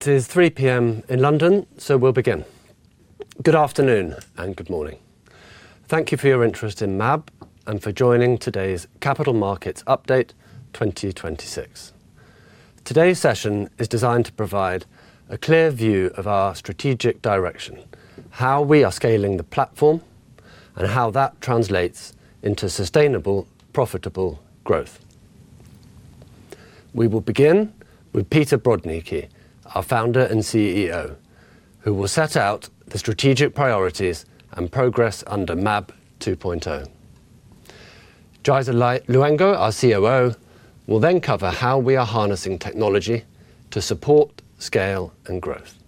It is 3:00 P.M. in London, so we'll begin. Good afternoon, and good morning. Thank you for your interest in MAB, and for joining today's Capital Markets Update 2026. Today's session is designed to provide a clear view of our strategic direction, how we are scaling the Platform, and how that translates into sustainable, profitable growth. We will begin with Peter Brodnicki, our Founder and CEO, who will set out the strategic priorities and progress under MAB 2.0. Yaiza Luengo, our COO, will then cover how we are harnessing technology to support, scale, and growth.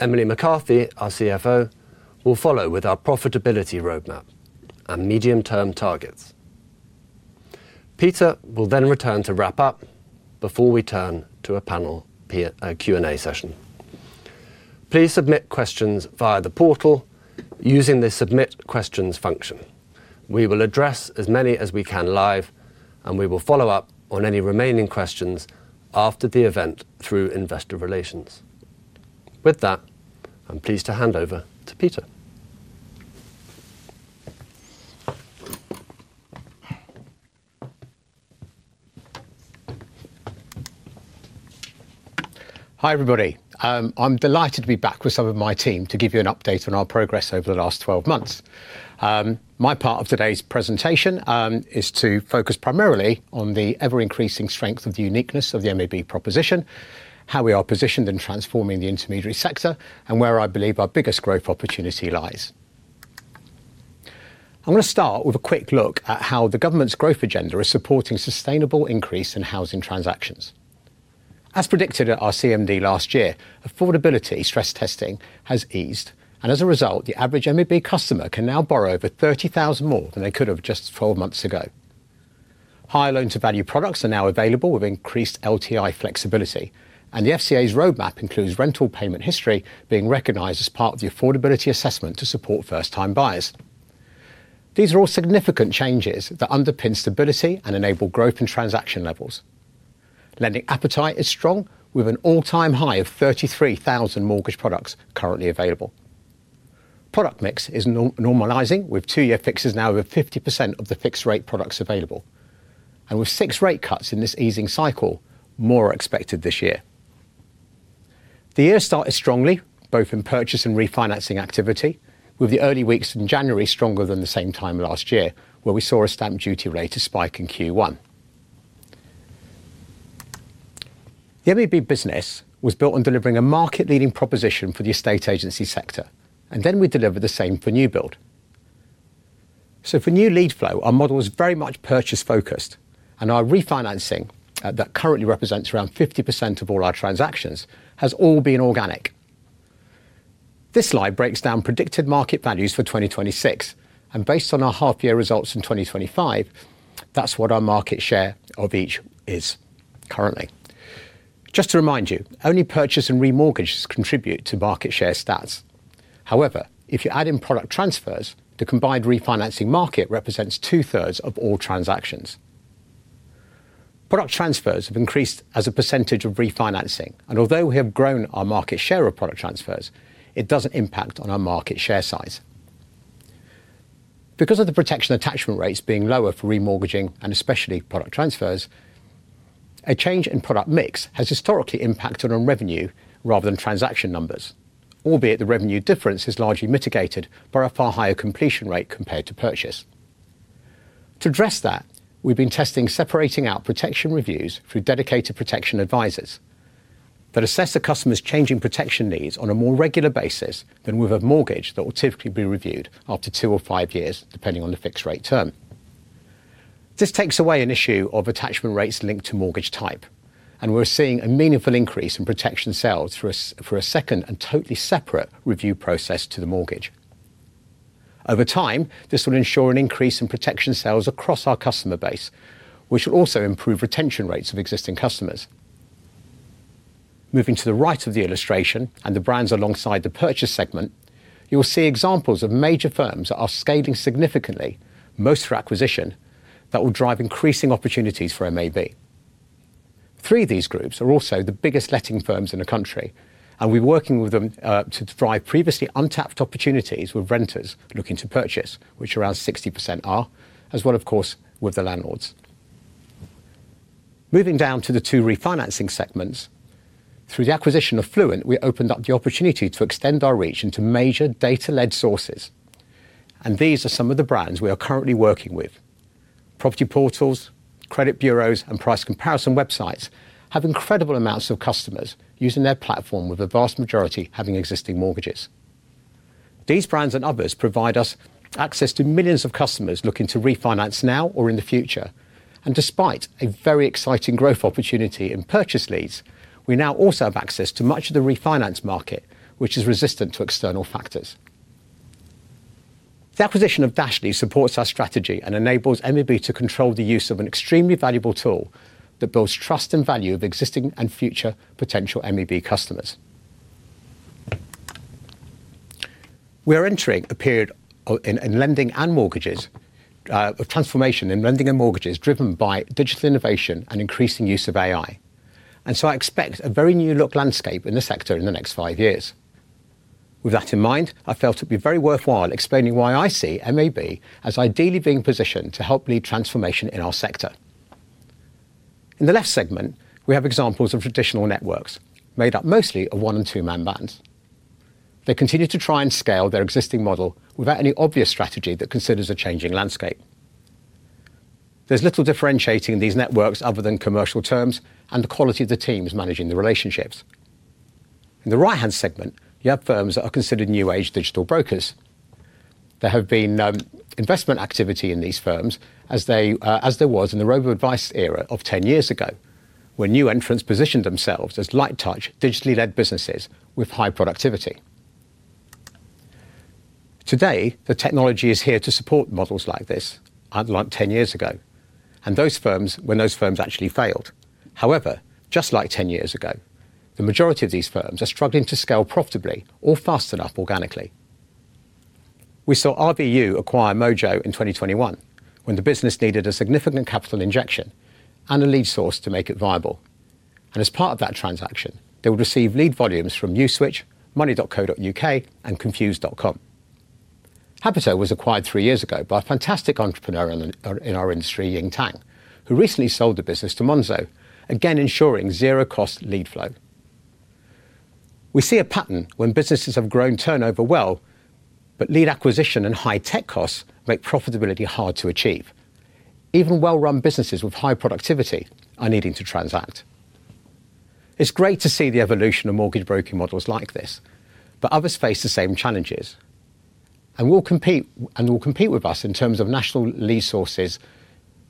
Emilie McCarthy, our CFO, will follow with our profitability roadmap and medium-term targets. Peter will then return to wrap up before we turn to a panel Q&A session. Please submit questions via the portal using the Submit Questions function. We will address as many as we can live, and we will follow up on any remaining questions after the event through investor relations. With that, I'm pleased to hand over to Peter. Hi, everybody. I'm delighted to be back with some of my team to give you an update on our progress over the last 12 months. My part of today's presentation is to focus primarily on the ever-increasing strength of the uniqueness of the MAB proposition, how we are positioned in transforming the intermediary sector, and where I believe our biggest growth opportunity lies. I'm gonna start with a quick look at how the government's growth agenda is supporting sustainable increase in housing transactions. As predicted at our CMD last year, affordability stress testing has eased, and as a result, the average MAB customer can now borrow over 30,000 more than they could have just 12 months ago. Higher loan-to-value products are now available with increased LTI flexibility, and the FCA's roadmap includes rental payment history being recognized as part of the affordability assessment to support first-time buyers. These are all significant changes that underpin stability and enable growth in transaction levels. Lending appetite is strong, with an all-time high of 33,000 mortgage products currently available. Product mix is now normalizing, with two-year fixes now over 50% of the fixed-rate products available, and with six rate cuts in this easing cycle, more are expected this year. The year started strongly, both in purchase and refinancing activity, with the early weeks in January stronger than the same time last year, where we saw a stamp duty rate spike in Q1. The MAB business was built on delivering a market-leading proposition for the estate agency sector, and then we delivered the same for new build. So for new lead flow, our model is very much purchase focused, and our refinancing, that currently represents around 50% of all our transactions, has all been organic. This slide breaks down predicted market values for 2026, and based on our half-year results in 2025, that's what our market share of each is currently. Just to remind you, only purchase and remortgages contribute to market share stats. However, if you add in product transfers, the combined refinancing market represents 2/3 of all transactions. Product transfers have increased as a percentage of refinancing, and although we have grown our market share of product transfers, it doesn't impact on our market share size. Because of the protection attachment rates being lower for remortgaging, and especially product transfers, a change in product mix has historically impacted on revenue rather than transaction numbers, albeit the revenue difference is largely mitigated by a far higher completion rate compared to purchase. To address that, we've been testing separating out protection reviews through dedicated protection advisers that assess the customer's changing protection needs on a more regular basis than with a mortgage that will typically be reviewed after two or five years, depending on the fixed rate term. This takes away an issue of attachment rates linked to mortgage type, and we're seeing a meaningful increase in protection sales for a second and totally separate review process to the mortgage. Over time, this will ensure an increase in protection sales across our customer base, which will also improve retention rates of existing customers. Moving to the right of the illustration and the brands alongside the purchase segment, you will see examples of major firms that are scaling significantly, most through acquisition, that will drive increasing opportunities for MAB. Three of these groups are also the biggest letting firms in the country, and we're working with them to drive previously untapped opportunities with renters looking to purchase, which around 60% are, as well, of course, with the landlords. Moving down to the two refinancing segments, through the acquisition of Fluent, we opened up the opportunity to extend our reach into major data-led sources, and these are some of the brands we are currently working with. Property portals, credit bureaus, and price comparison websites have incredible amounts of customers using their platform, with the vast majority having existing mortgages. These brands and others provide us access to millions of customers looking to refinance now or in the future. Despite a very exciting growth opportunity in purchase leads, we now also have access to much of the refinance market, which is resistant to external factors. The acquisition of Dashly supports our strategy and enables MAB to control the use of an extremely valuable tool that builds trust and value of existing and future potential MAB customers. We are entering a period in lending and mortgages of transformation in lending and mortgages, driven by digital innovation and increasing use of AI. So I expect a very new-look landscape in the sector in the next five years. With that in mind, I felt it would be very worthwhile explaining why I see MAB as ideally being positioned to help lead transformation in our sector. In the left segment, we have examples of traditional networks, made up mostly of one- and two-man bands. They continue to try and scale their existing model without any obvious strategy that considers a changing landscape. There's little differentiating these networks other than commercial terms and the quality of the teams managing the relationships. In the right-hand segment, you have firms that are considered new age digital brokers. There have been investment activity in these firms as there was in the robo-advice era of 10 years ago, where new entrants positioned themselves as light touch, digitally led businesses with high productivity. Today, the technology is here to support models like this, unlike 10 years ago, and those firms, when those firms actually failed. However, just like 10 years ago, the majority of these firms are struggling to scale profitably or fast enough organically. We saw RVU acquire Mojo in 2021, when the business needed a significant capital injection and a lead source to make it viable. As part of that transaction, they will receive lead volumes from Uswitch, Money.co.uk, and Confused.com. Habito was acquired three years ago by a fantastic entrepreneur in our industry, Ying Tan, who recently sold the business to Monzo, again ensuring zero cost lead flow. We see a pattern when businesses have grown turnover well, but lead acquisition and high tech costs make profitability hard to achieve. Even well-run businesses with high productivity are needing to transact. It's great to see the evolution of mortgage broking models like this, but others face the same challenges, and will compete, and will compete with us in terms of national lead sources.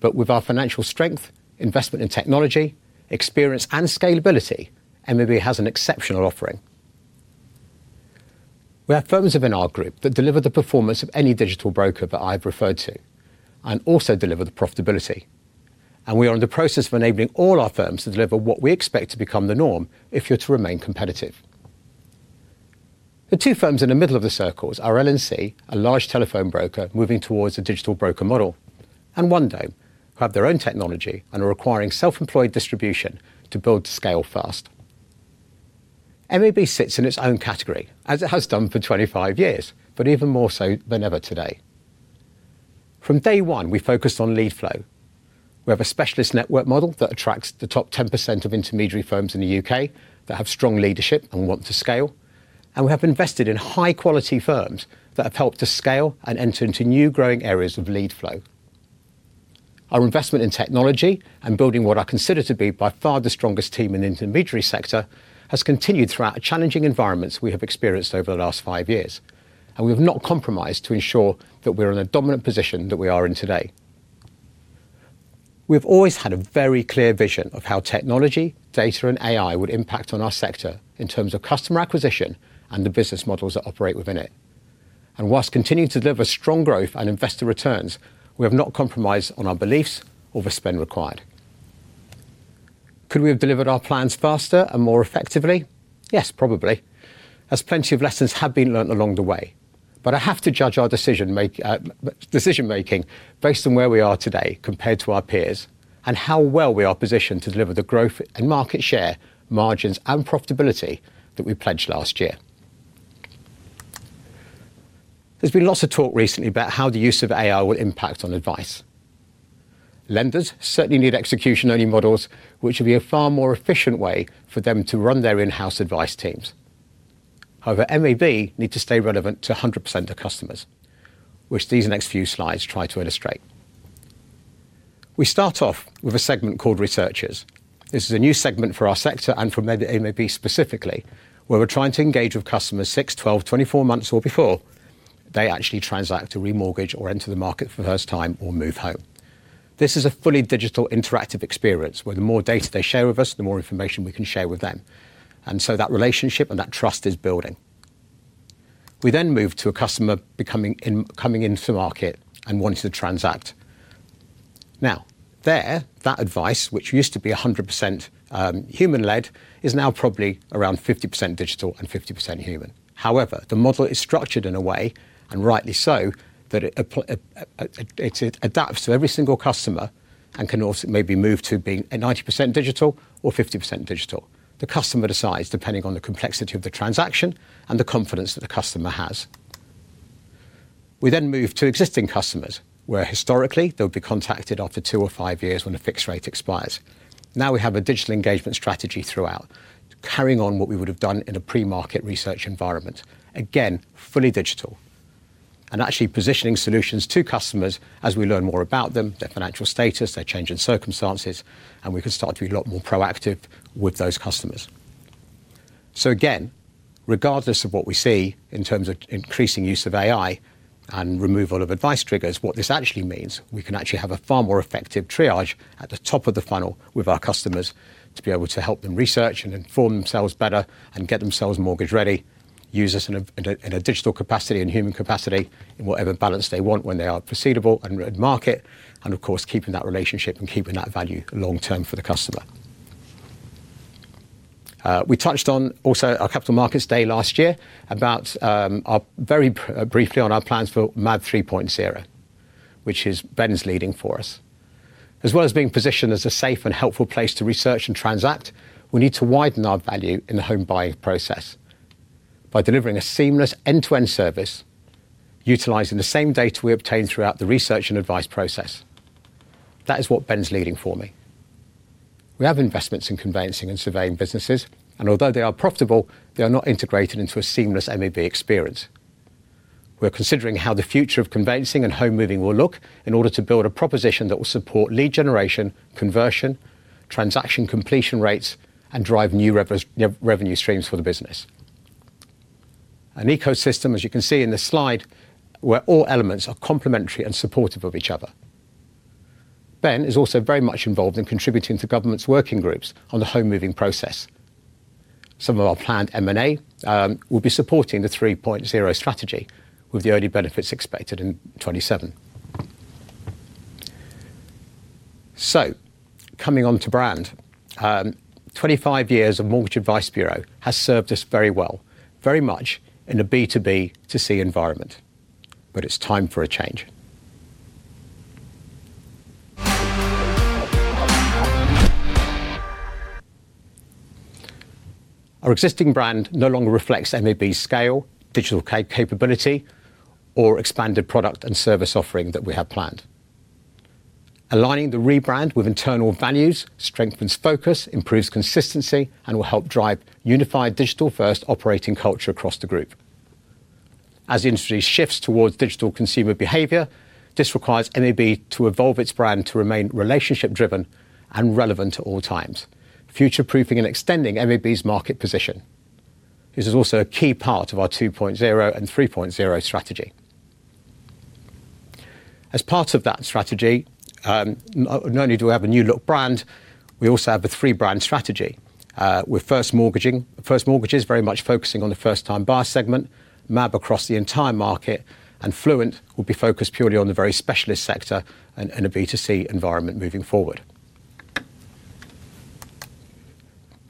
With our financial strength, investment in technology, experience, and scalability, MAB has an exceptional offering. We have firms within our group that deliver the performance of any digital broker that I've referred to and also deliver the profitability, and we are in the process of enabling all our firms to deliver what we expect to become the norm if you're to remain competitive. The two firms in the middle of the circles are L&C, a large telephone broker moving towards a digital broker model, and OneDome, who have their own technology and are acquiring self-employed distribution to build to scale fast. MAB sits in its own category, as it has done for 25 years, but even more so than ever today. From day one, we focused on lead flow. We have a specialist network model that attracts the top 10% of intermediary firms in the U.K. that have strong leadership and want to scale. We have invested in high-quality firms that have helped to scale and enter into new growing areas of lead flow. Our investment in technology and building what I consider to be by far the strongest team in the intermediary sector, has continued throughout the challenging environments we have experienced over the last five years, and we have not compromised to ensure that we're in a dominant position that we are in today. We've always had a very clear vision of how technology, data, and AI would impact on our sector in terms of customer acquisition and the business models that operate within it. Whilst continuing to deliver strong growth and investor returns, we have not compromised on our beliefs or the spend required. Could we have delivered our plans faster and more effectively? Yes, probably, as plenty of lessons have been learned along the way, but I have to judge our decision-making based on where we are today compared to our peers, and how well we are positioned to deliver the growth and market share, margins, and profitability that we pledged last year. There's been lots of talk recently about how the use of AI will impact on advice. Lenders certainly need execution-only models, which will be a far more efficient way for them to run their in-house advice teams. However, MAB needs to stay relevant to 100% of customers, which these next few slides try to illustrate. We start off with a segment called Researchers. This is a new segment for our sector and for MAB specifically, where we're trying to engage with customers 6, 12, 24 months or before they actually transact a remortgage or enter the market for the first time or move home. This is a fully digital interactive experience, where the more data they share with us, the more information we can share with them, and so that relationship and that trust is building. We then move to a customer coming into the market and wanting to transact. Now, there, that advice, which used to be 100%, human-led, is now probably around 50% digital and 50% human. However, the model is structured in a way, and rightly so, that it adapts to every single customer and can also maybe move to being 90% digital or 50% digital. The customer decides, depending on the complexity of the transaction and the confidence that the customer has. We then move to existing customers, where historically they would be contacted after two or five years when a fixed rate expires. Now we have a digital engagement strategy throughout, carrying on what we would have done in a pre-market research environment. Again, fully digital and actually positioning solutions to customers as we learn more about them, their financial status, their change in circumstances, and we can start to be a lot more proactive with those customers. So again, regardless of what we see in terms of increasing use of AI and removal of advice triggers, what this actually means, we can actually have a far more effective triage at the top of the funnel with our customers to be able to help them research and inform themselves better and get themselves mortgage ready, use us in a digital capacity and human capacity, in whatever balance they want when they are proceedable and in market, and of course, keeping that relationship and keeping that value long-term for the customer. We touched on also our Capital Markets Day last year, about our briefly on our plans for MAB 3.0, which is Ben's leading for us. As well as being positioned as a safe and helpful place to research and transact, we need to widen our value in the home buying process by delivering a seamless end-to-end service, utilizing the same data we obtain throughout the research and advice process. That is what Ben's leading for me. We have investments in conveyancing and surveying businesses, and although they are profitable, they are not integrated into a seamless MAB experience. We're considering how the future of conveyancing and home moving will look in order to build a proposition that will support lead generation, conversion, transaction completion rates, and drive new revenue streams for the business. An ecosystem, as you can see in this slide, where all elements are complementary and supportive of each other. Ben is also very much involved in contributing to government's working groups on the home moving process. Some of our planned M&A will be supporting the 3.0 strategy, with the early benefits expected in 2027. So, coming on to brand. 25 years of Mortgage Advice Bureau has served us very well, very much in a B2B2C environment, but it's time for a change. Our existing brand no longer reflects MAB's scale, digital capability, or expanded product and service offering that we have planned. Aligning the rebrand with internal values, strengthens focus, improves consistency, and will help drive unified digital-first operating culture across the group. As the industry shifts towards digital consumer behavior, this requires MAB to evolve its brand to remain relationship-driven and relevant at all times, future-proofing and extending MAB's market position. This is also a key part of our 2.0 and 3.0 strategy. As part of that strategy, not only do we have a new look brand, we also have a three-brand strategy. With First Mortgages very much focusing on the first-time buyer segment, MAB across the entire market, and Fluent will be focused purely on the very specialist sector and a B2C environment moving forward.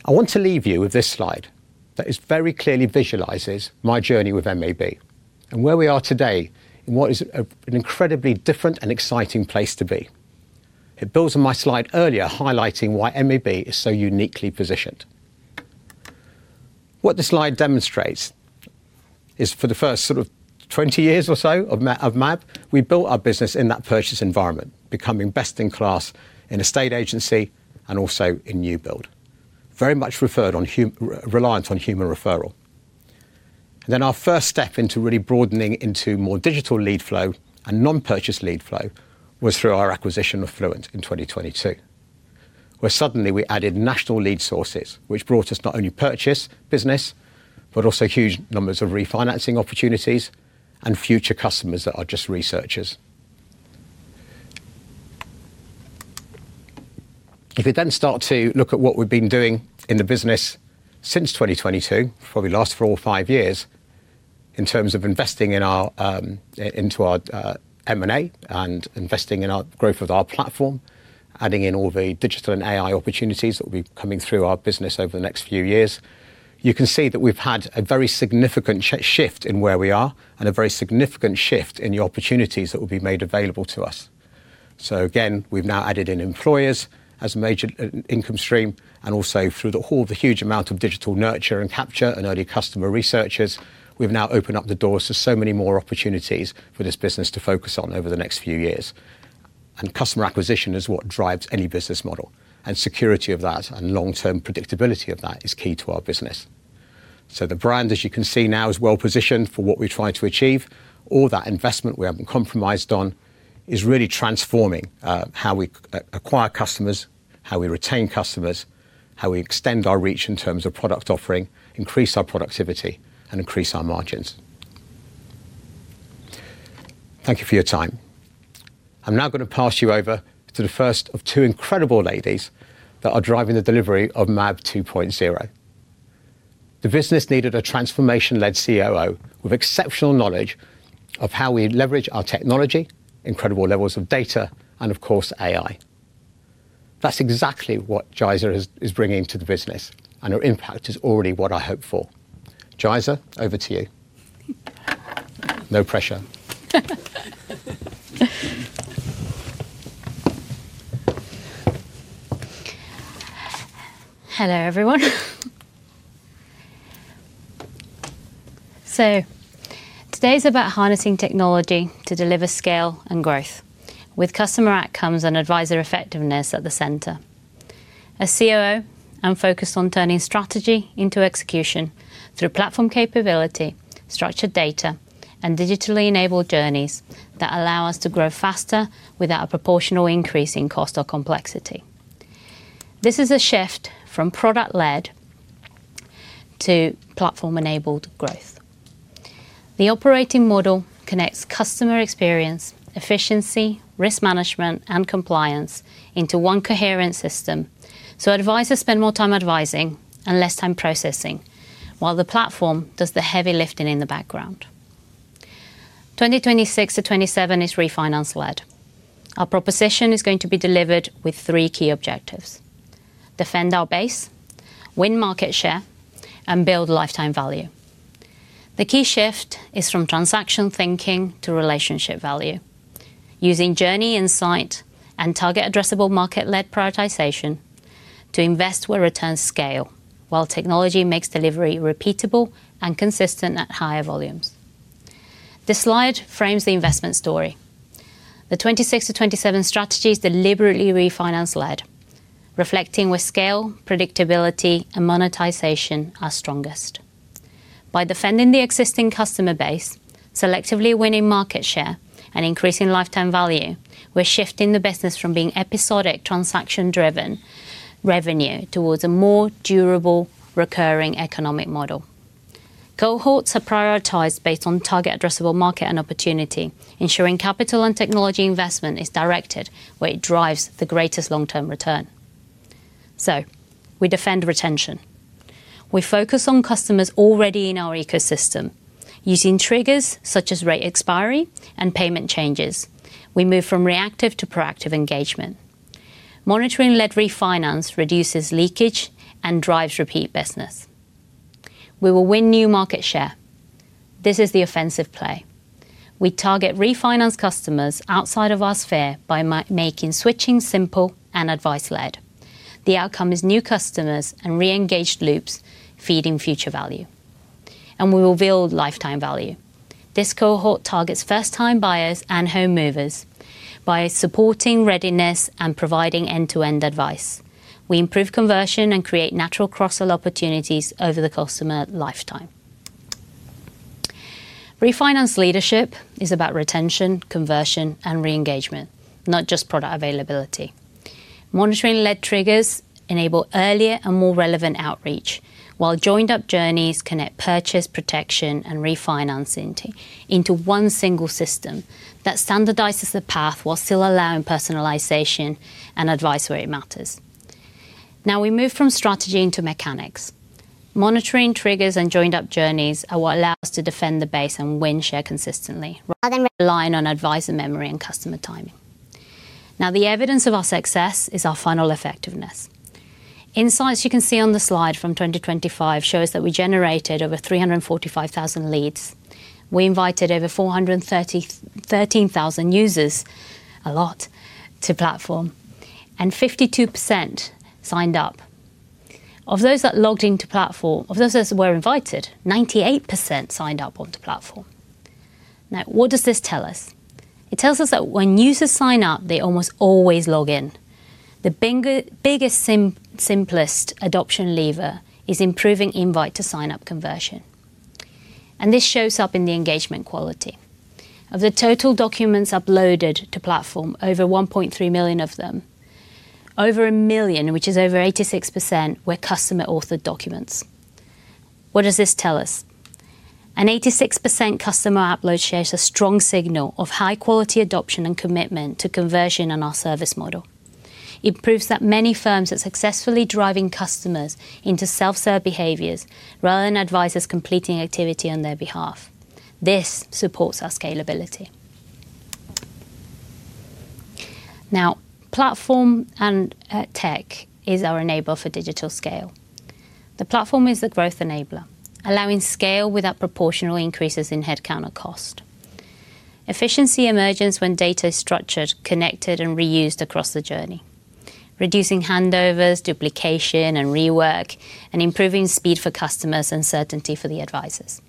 I want to leave you with this slide, that it very clearly visualizes my journey with MAB and where we are today, in what is an incredibly different and exciting place to be. It builds on my slide earlier, highlighting why MAB is so uniquely positioned. What this slide demonstrates is for the first sort of 20 years or so of MAB, we built our business in that purchase environment, becoming best in class in estate agency and also in new build. Very much referral-reliant on human referral. Then our first step into really broadening into more digital lead flow and non-purchase lead flow was through our acquisition of Fluent in 2022, where suddenly we added national lead sources, which brought us not only purchase business, but also huge numbers of refinancing opportunities and future customers that are just researchers. If we then start to look at what we've been doing in the business since 2022, probably last four or five years, in terms of investing in our M&A and investing in our growth of our platform, adding in all the digital and AI opportunities that will be coming through our business over the next few years, you can see that we've had a very significant shift in where we are and a very significant shift in the opportunities that will be made available to us. So again, we've now added in employers as a major income stream, and also through the whole of the huge amount of digital nurture and capture and early customer researchers, we've now opened up the doors to so many more opportunities for this business to focus on over the next few years. And customer acquisition is what drives any business model, and security of that and long-term predictability of that is key to our business. So the brand, as you can see now, is well positioned for what we're trying to achieve. All that investment we haven't compromised on is really transforming how we acquire customers, how we retain customers, how we extend our reach in terms of product offering, increase our productivity, and increase our margins. Thank you for your time. I'm now gonna pass you over to the first of two incredible ladies that are driving the delivery of MAB 2.0. The business needed a transformation-led COO with exceptional knowledge of how we leverage our technology, incredible levels of data, and of course, AI. That's exactly what Yaiza is bringing to the business, and her impact is already what I hoped for. Yaiza, over to you. No pressure. Hello, everyone. So today is about harnessing technology to deliver scale and growth, with customer outcomes and adviser effectiveness at the center. As COO, I'm focused on turning strategy into execution through platform capability, structured data, and digitally enabled journeys that allow us to grow faster without a proportional increase in cost or complexity. This is a shift from product-led to platform-enabled growth. The operating model connects customer experience, efficiency, risk management, and compliance into one coherent system, so advisers spend more time advising and less time processing, while the platform does the heavy lifting in the background. 2026-2027 is refinance led. Our proposition is going to be delivered with three key objectives: defend our base, win market share, and build lifetime value. The key shift is from transaction thinking to relationship value, using journey insight and target addressable market-led prioritization to invest where returns scale, while technology makes delivery repeatable and consistent at higher volumes. This slide frames the investment story. The 2026 to 2027 strategy is deliberately refinance led, reflecting where scale, predictability, and monetization are strongest. By defending the existing customer base, selectively winning market share, and increasing lifetime value, we're shifting the business from being episodic, transaction-driven revenue towards a more durable, recurring economic model. Cohorts are prioritized based on target addressable market and opportunity, ensuring capital and technology investment is directed where it drives the greatest long-term return. So we defend retention. We focus on customers already in our ecosystem, using triggers such as rate expiry and payment changes. We move from reactive to proactive engagement. Monitoring-led refinance reduces leakage and drives repeat business. We will win new market share. This is the offensive play. We target refinance customers outside of our sphere by making switching simple and advice led. The outcome is new customers and re-engaged loops feeding future value, and we will build lifetime value. This cohort targets first-time buyers and home movers by supporting readiness and providing end-to-end advice. We improve conversion and create natural cross-sell opportunities over the customer lifetime. Refinance leadership is about retention, conversion, and re-engagement, not just product availability. Monitoring-led triggers enable earlier and more relevant outreach, while joined-up journeys connect purchase, protection, and refinancing into one single system that standardizes the path while still allowing personalization and advice where it matters. Now we move from strategy into mechanics. Monitoring triggers and joined-up journeys are what allow us to defend the base and win share consistently, rather than relying on advisor memory and customer timing. Now, the evidence of our success is our funnel effectiveness. Insights you can see on the slide from 2025 shows that we generated over 345,000 leads. We invited over 413,000 users, a lot, to platform, and 52% signed up. Of those who were invited, 98% signed up onto platform. Now, what does this tell us? It tells us that when users sign up, they almost always log in. The biggest, simplest adoption lever is improving invite to sign-up conversion, and this shows up in the engagement quality. Of the total documents uploaded to platform, over 1.3 million of them, over 1 million, which is over 86%, were customer-authored documents. What does this tell us? An 86% customer upload shares a strong signal of high-quality adoption and commitment to conversion on our service model. It proves that many firms are successfully driving customers into self-serve behaviors rather than advisors completing activity on their behalf. This supports our scalability. Now, platform and tech is our enabler for digital scale. The platform is the growth enabler, allowing scale without proportional increases in headcount or cost. Efficiency emerges when data is structured, connected, and reused across the journey, reducing handovers, duplication, and rework, and improving speed for customers and certainty for the advisors.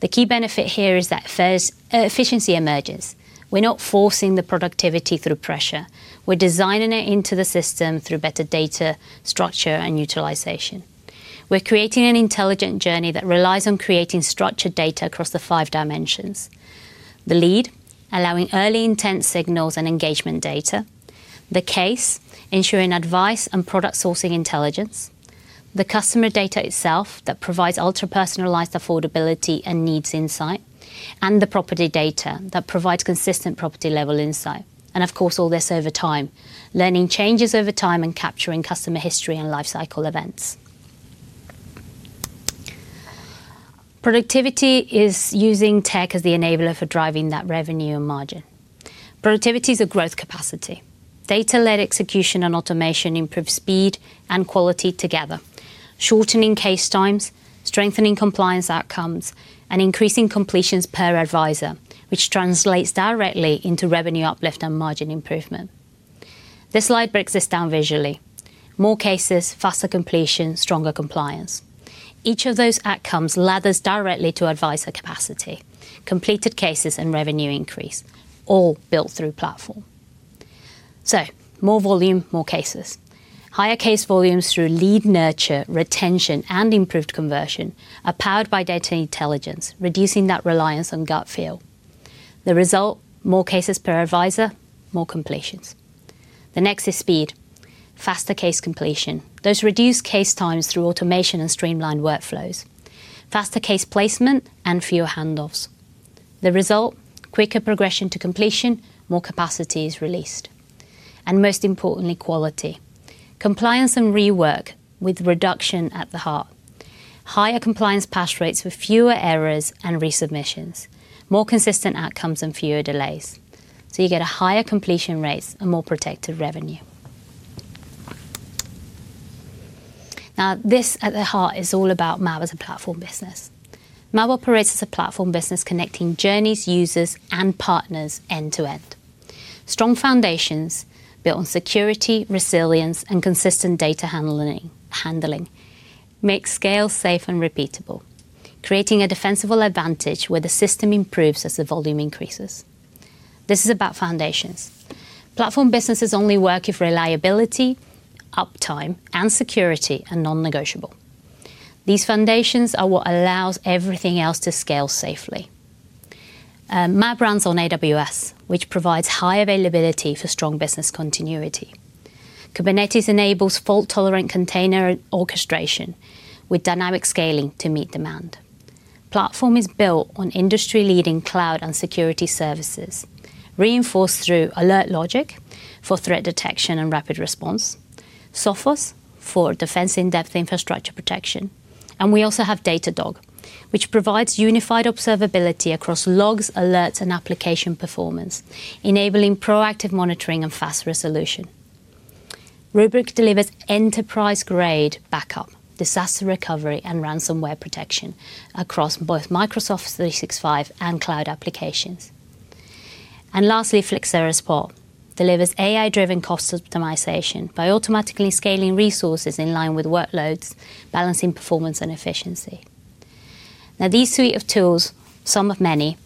The key benefit here is that first, efficiency emerges. We're not forcing the productivity through pressure. We're designing it into the system through better data, structure, and utilization. We're creating an intelligent journey that relies on creating structured data across the five dimensions: the lead, allowing early intent signals and engagement data; the case, ensuring advice and product sourcing intelligence; the customer data itself, that provides ultra-personalized affordability and needs insight; and the property data, that provides consistent property-level insight. And of course, all this over time, learning changes over time and capturing customer history and lifecycle events. Productivity is using tech as the enabler for driving that revenue and margin. Productivity is a growth capacity. Data-led execution and automation improve speed and quality together, shortening case times, strengthening compliance outcomes, and increasing completions per advisor, which translates directly into revenue uplift and margin improvement. This slide breaks this down visually. More cases, faster completion, stronger compliance. Each of those outcomes ladders directly to advisor capacity, completed cases, and revenue increase, all built through platform. So more volume, more cases. Higher case volumes through lead nurture, retention, and improved conversion are powered by data intelligence, reducing that reliance on gut feel. The result? More cases per advisor, more completions. The next is speed. Faster case completion. Those reduce case times through automation and streamlined workflows, faster case placement, and fewer handoffs. The result? Quicker progression to completion, more capacity is released, and most importantly, quality. Compliance and rework with reduction at the heart. Higher compliance pass rates with fewer errors and resubmissions, more consistent outcomes and fewer delays, so you get a higher completion rates and more protected revenue. Now, this, at the heart, is all about MAB as a platform business. MAB operates as a platform business connecting journeys, users, and partners end to end. Strong foundations built on security, resilience, and consistent data handling make scale safe and repeatable, creating a defensible advantage where the system improves as the volume increases. This is about foundations. Platform businesses only work if reliability, uptime, and security are non-negotiable. These foundations are what allows everything else to scale safely. MAB runs on AWS, which provides high availability for strong business continuity. Kubernetes enables fault-tolerant container orchestration with dynamic scaling to meet demand. Platform is built on industry-leading cloud and security services, reinforced through Alert Logic for threat detection and rapid response, Sophos for defense in-depth infrastructure protection, and we also have Datadog, which provides unified observability across logs, alerts, and application performance, enabling proactive monitoring and fast resolution. Rubrik delivers enterprise-grade backup, disaster recovery, and ransomware protection across both Microsoft 365 and cloud applications. And lastly, Flexera, Spot delivers AI-driven cost optimization by automatically scaling resources in line with workloads, balancing performance and efficiency. Now, this suite of tools, some of the many,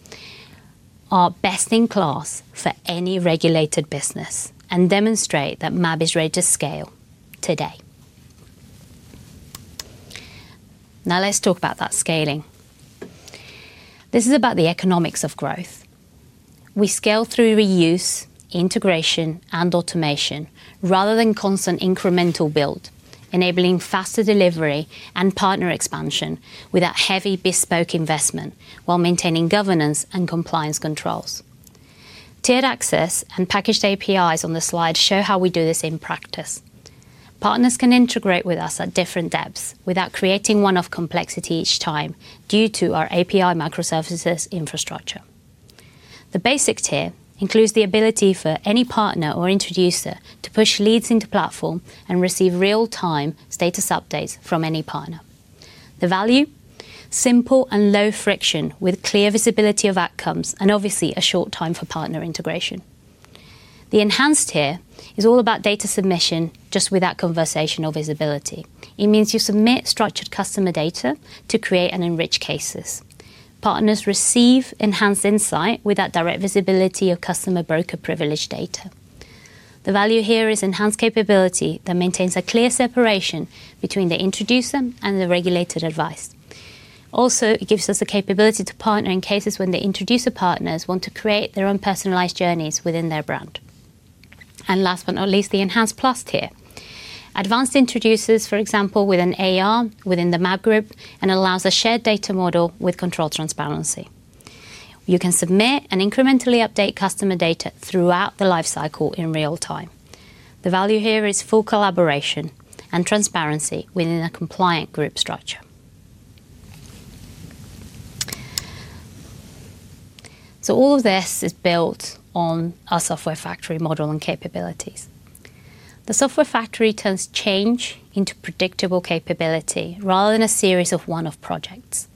are best in class for any regulated business and demonstrate that MAB is ready to scale today. Now, let's talk about that scaling. This is about the economics of growth. We scale through reuse, integration, and automation rather than constant incremental build, enabling faster delivery and partner expansion without heavy bespoke investment, while maintaining governance and compliance controls. Tiered access and packaged APIs on the slide show how we do this in practice. Partners can integrate with us at different depths without creating one-off complexity each time due to our API microservices infrastructure. The basic tier includes the ability for any partner or introducer to push leads into Platform and receive real-time status updates from any partner. The value? Simple and low friction, with clear visibility of outcomes and, obviously, a short time for partner integration. The enhanced tier is all about data submission, just without conversational visibility. It means you submit structured customer data to create and enrich cases. Partners receive enhanced insight without direct visibility of customer broker privileged data. The value here is enhanced capability that maintains a clear separation between the introducer and the regulated advice. Also, it gives us the capability to partner in cases when the introducer partners want to create their own personalized journeys within their brand. Last but not least, the enhanced plus tier. Advanced introducers, for example, with an AR within the MAB group and allows a shared data model with controlled transparency. You can submit and incrementally update customer data throughout the life cycle in real time. The value here is full collaboration and transparency within a compliant group structure. So all of this is built on our software factory model and capabilities. The software factory turns change into predictable capability rather than a series of one-off projects.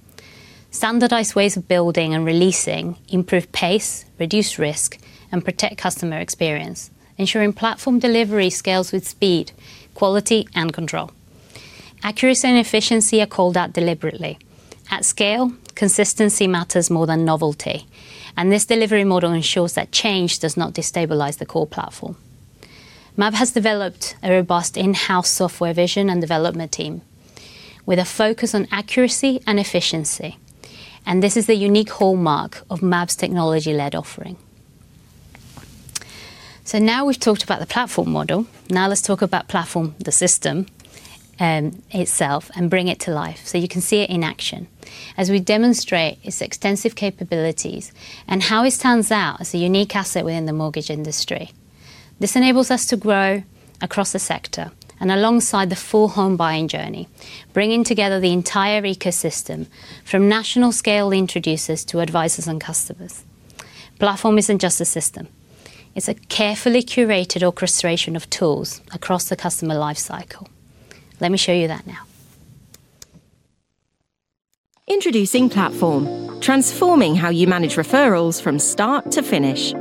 Standardized ways of building and releasing improve pace, reduce risk, and protect customer experience, ensuring Platform delivery scales with speed, quality, and control. Accuracy and efficiency are called out deliberately. At scale, consistency matters more than novelty, and this delivery model ensures that change does not destabilize the core platform. MAB has developed a robust in-house software vision and development team with a focus on accuracy and efficiency, and this is the unique hallmark of MAB's technology-led offering. So now we've talked about the Platform model. Now let's talk about Platform, the system itself, and bring it to life, so you can see it in action, as we demonstrate its extensive capabilities and how it stands out as a unique asset within the mortgage industry. This enables us to grow across the sector and alongside the full home buying journey, bringing together the entire ecosystem, from national scale introducers to advisors and customers. Platform isn't just a system. It's a carefully curated orchestration of tools across the customer life cycle. Let me show you that now. Introducing Platform, transforming how you manage referrals from start to finish.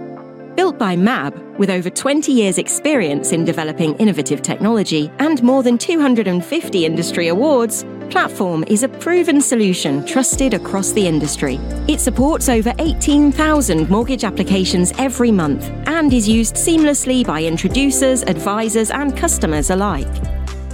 Built by MAB, with over 20 years experience in developing innovative technology and more than 250 industry awards, Platform is a proven solution trusted across the industry. It supports over 18,000 mortgage applications every month and is used seamlessly by introducers, advisors, and customers alike.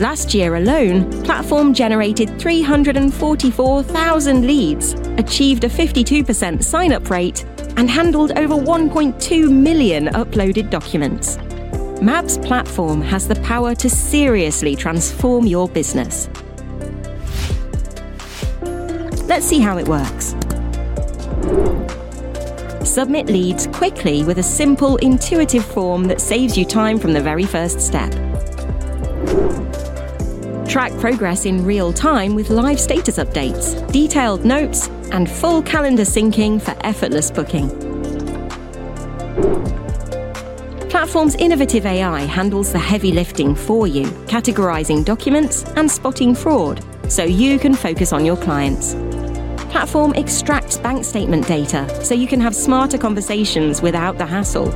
Last year alone, Platform generated 344,000 leads, achieved a 52% sign-up rate, and handled over 1.2 million uploaded documents. MAB's Platform has the power to seriously transform your business. Let's see how it works. Submit leads quickly with a simple, intuitive form that saves you time from the very first step. Track progress in real time with live status updates, detailed notes, and full calendar syncing for effortless booking. Platform's innovative AI handles the heavy lifting for you, categorizing documents and spotting fraud, so you can focus on your clients. Platform extracts bank statement data, so you can have smarter conversations without the hassle.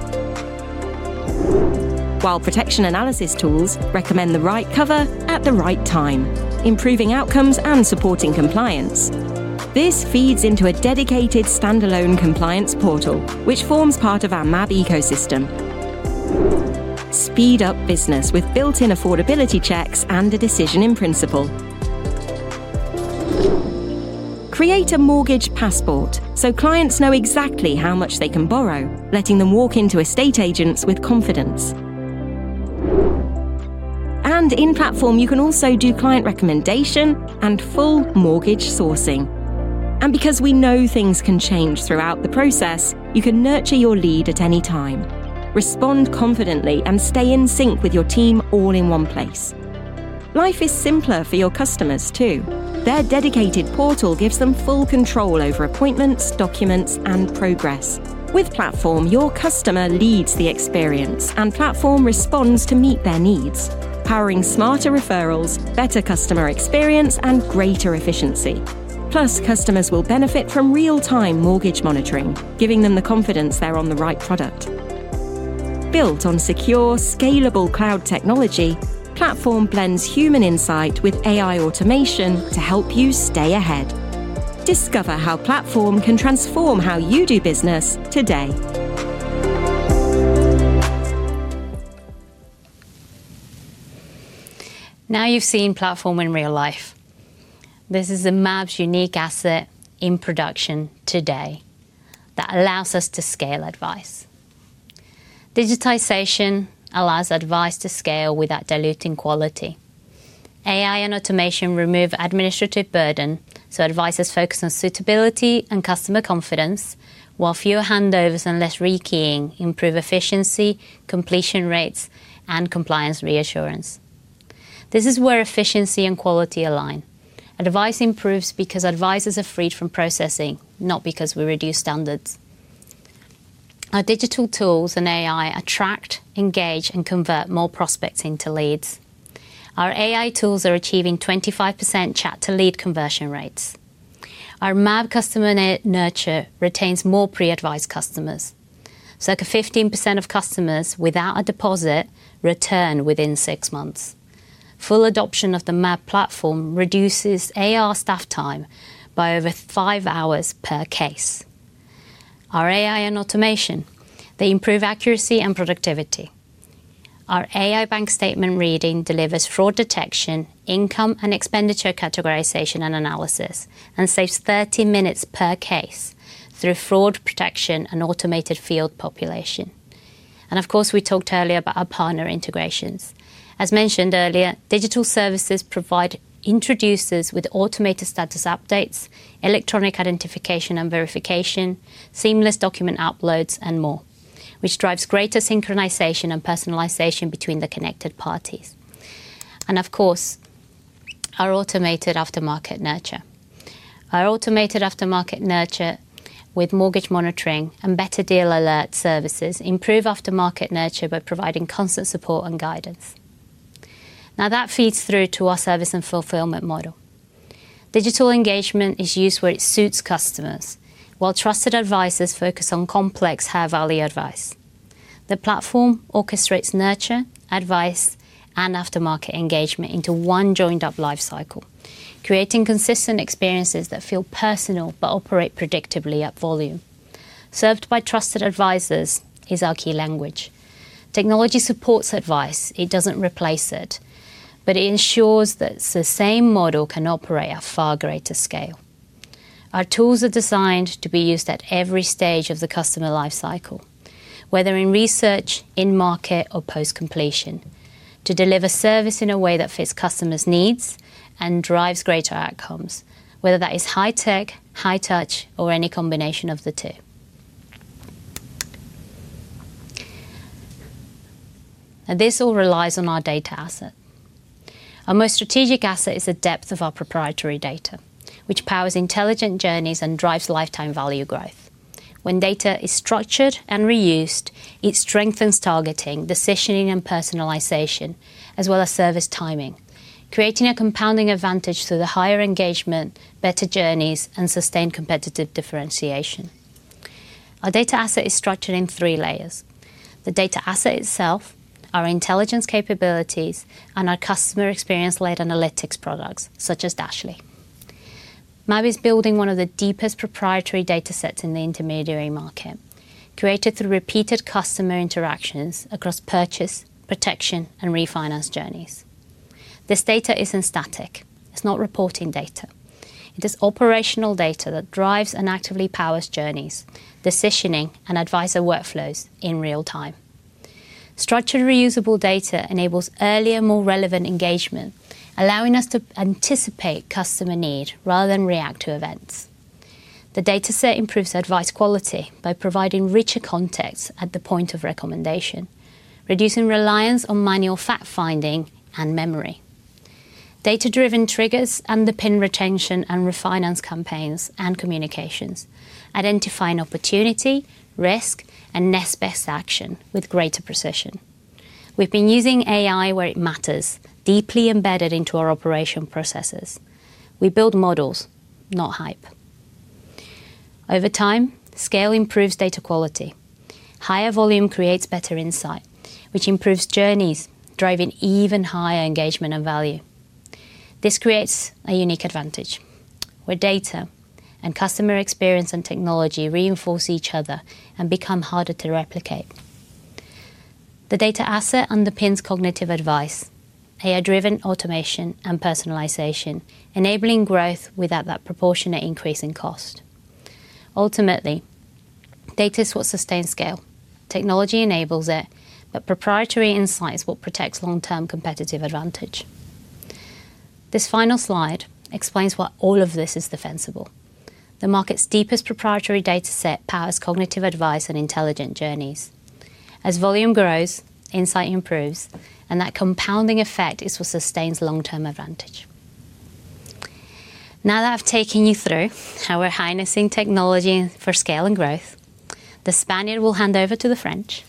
While protection analysis tools recommend the right cover at the right time, improving outcomes and supporting compliance. This feeds into a dedicated standalone compliance portal, which forms part of our MAB ecosystem. Speed up business with built-in affordability checks and a Decision in Principle. Create a Mortgage Passport, so clients know exactly how much they can borrow, letting them walk into estate agents with confidence. In Platform, you can also do client recommendation and full mortgage sourcing. And because we know things can change throughout the process, you can nurture your lead at any time, respond confidently, and stay in sync with your team all in one place. Life is simpler for your customers, too. Their dedicated portal gives them full control over appointments, documents, and progress. With Platform, your customer leads the experience, and Platform responds to meet their needs, powering smarter referrals, better customer experience, and greater efficiency. Plus, customers will benefit from real-time mortgage monitoring, giving them the confidence they're on the right product. Built on secure, scalable cloud technology, Platform blends human insight with AI automation to help you stay ahead. Discover how Platform can transform how you do business today. Now you've seen Platform in real life. This is the MAB's unique asset in production today that allows us to scale advice. Digitization allows advice to scale without diluting quality. AI and automation remove administrative burden, so advisors focus on suitability and customer confidence, while fewer handovers and less rekeying improve efficiency, completion rates, and compliance reassurance. This is where efficiency and quality align. Advice improves because advisors are freed from processing, not because we reduce standards. Our digital tools and AI attract, engage, and convert more prospects into leads. Our AI tools are achieving 25% chat to lead conversion rates. Our MAB customer nurture retains more pre-advised customers. Circa 15% of customers without a deposit return within six months. Full adoption of the MAB platform reduces AR staff time by over five hours per case. Our AI and automation, they improve accuracy and productivity. Our AI bank statement reading delivers fraud detection, income and expenditure categorization and analysis, and saves 30 minutes per case through fraud protection and automated field population. And of course, we talked earlier about our partner integrations. As mentioned earlier, digital services provide introducers with automated status updates, electronic identification and verification, seamless document uploads, and more, which drives greater synchronization and personalization between the connected parties. And of course, our automated aftermarket nurture. Our automated aftermarket nurture with mortgage monitoring and better deal alert services improve aftermarket nurture by providing constant support and guidance. Now, that feeds through to our service and fulfillment model. Digital engagement is used where it suits customers, while trusted advisors focus on complex, high-value advice. The platform orchestrates nurture, advice, and aftermarket engagement into one joined up life cycle, creating consistent experiences that feel personal but operate predictably at volume. Served by trusted advisors is our key language. Technology supports advice, it doesn't replace it, but it ensures that the same model can operate at far greater scale. Our tools are designed to be used at every stage of the customer life cycle, whether in research, in market, or post-completion, to deliver service in a way that fits customers' needs and drives greater outcomes, whether that is high tech, high touch, or any combination of the two. Now, this all relies on our data asset. Our most strategic asset is the depth of our proprietary data, which powers intelligent journeys and drives lifetime value growth. When data is structured and reused, it strengthens targeting, decisioning, and personalization, as well as service timing, creating a compounding advantage through the higher engagement, better journeys, and sustained competitive differentiation. Our data asset is structured in three layers: the data asset itself, our intelligence capabilities, and our customer experience-led analytics products, such as Dashly. MAB is building one of the deepest proprietary data sets in the intermediary market, created through repeated customer interactions across purchase, protection, and refinance journeys. This data isn't static. It's not reporting data. It is operational data that drives and actively powers journeys, decisioning, and advisor workflows in real time. Structured reusable data enables earlier, more relevant engagement, allowing us to anticipate customer need rather than react to events. The dataset improves advice quality by providing richer context at the point of recommendation, reducing reliance on manual fact-finding and memory. Data-driven triggers underpin retention and refinance campaigns and communications, identifying opportunity, risk, and next best action with greater precision. We've been using AI where it matters, deeply embedded into our operation processes. We build models, not hype. Over time, scale improves data quality. Higher volume creates better insight, which improves journeys, driving even higher engagement and value. This creates a unique advantage, where data and customer experience and technology reinforce each other and become harder to replicate. The data asset underpins cognitive advice, AI-driven automation, and personalization, enabling growth without that proportionate increase in cost. Ultimately, data is what sustains scale. Technology enables it, but proprietary insight is what protects long-term competitive advantage. This final slide explains why all of this is defensible. The market's deepest proprietary dataset powers cognitive advice and intelligent journeys. As volume grows, insight improves, and that compounding effect is what sustains long-term advantage. Now that I've taken you through how we're harnessing technology for scale and growth, the Spaniard will hand over to the French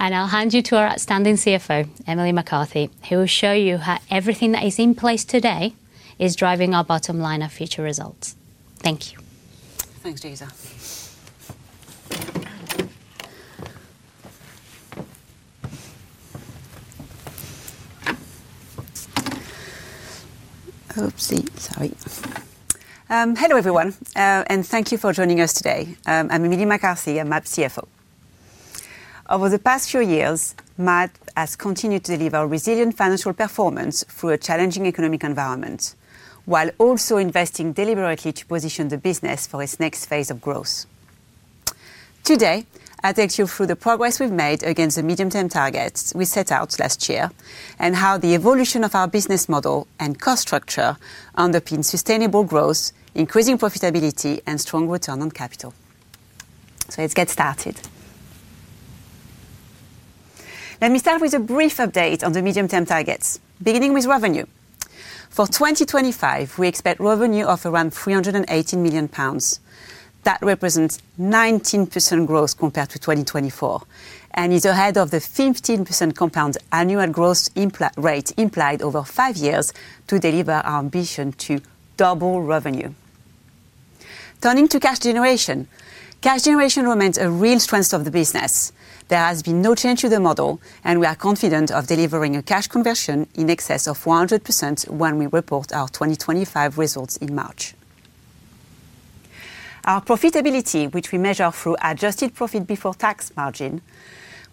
and I'll hand you to our outstanding CFO, Emilie McCarthy, who will show you how everything that is in place today is driving our bottom line and future results. Thank you. Thanks, Yaiza. Oopsie, sorry. Hello, everyone, and thank you for joining us today. I'm Emilie McCarthy, I'm MAB's CFO. Over the past few years, MAB has continued to deliver resilient financial performance through a challenging economic environment, while also investing deliberately to position the business for its next phase of growth. Today, I'll take you through the progress we've made against the medium-term targets we set out last year, and how the evolution of our business model and cost structure underpin sustainable growth, increasing profitability, and strong return on capital. So let's get started. Let me start with a brief update on the medium-term targets, beginning with revenue. For 2025, we expect revenue of around 380 million pounds. That represents 19% growth compared to 2024, and is ahead of the 15% compound annual growth rate implied over five years to deliver our ambition to double revenue. Turning to cash generation. Cash generation remains a real strength of the business. There has been no change to the model, and we are confident of delivering a cash conversion in excess of 100% when we report our 2025 results in March. Our profitability, which we measure through adjusted profit before tax margin,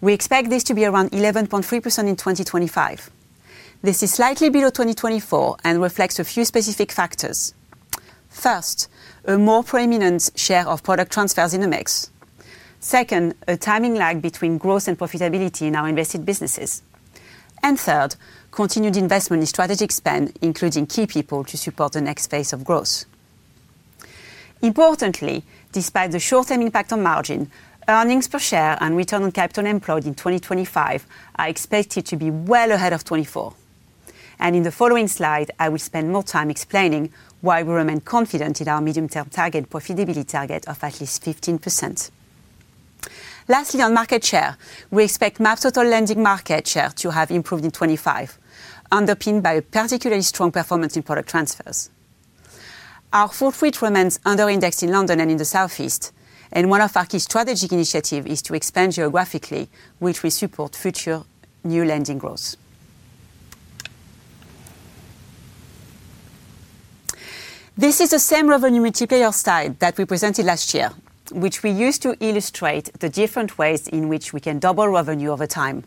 we expect this to be around 11.3% in 2025. This is slightly below 2024 and reflects a few specific factors: first, a more prominent share of product transfers in the mix; second, a timing lag between growth and profitability in our invested businesses; and third, continued investment in strategic spend, including key people, to support the next phase of growth. Importantly, despite the short-term impact on margin, earnings per share and return on capital employed in 2025 are expected to be well ahead of 2024. In the following slide, I will spend more time explaining why we remain confident in our medium-term target, profitability target of at least 15%. Lastly, on market share, we expect MAB's total lending market share to have improved in 2025, underpinned by a particularly strong performance in product transfers. Our footfall remains under-indexed in London and in the Southeast, and one of our key strategic initiative is to expand geographically, which will support future new lending growth. This is the same revenue multiplier slide that we presented last year, which we used to illustrate the different ways in which we can double revenue over time.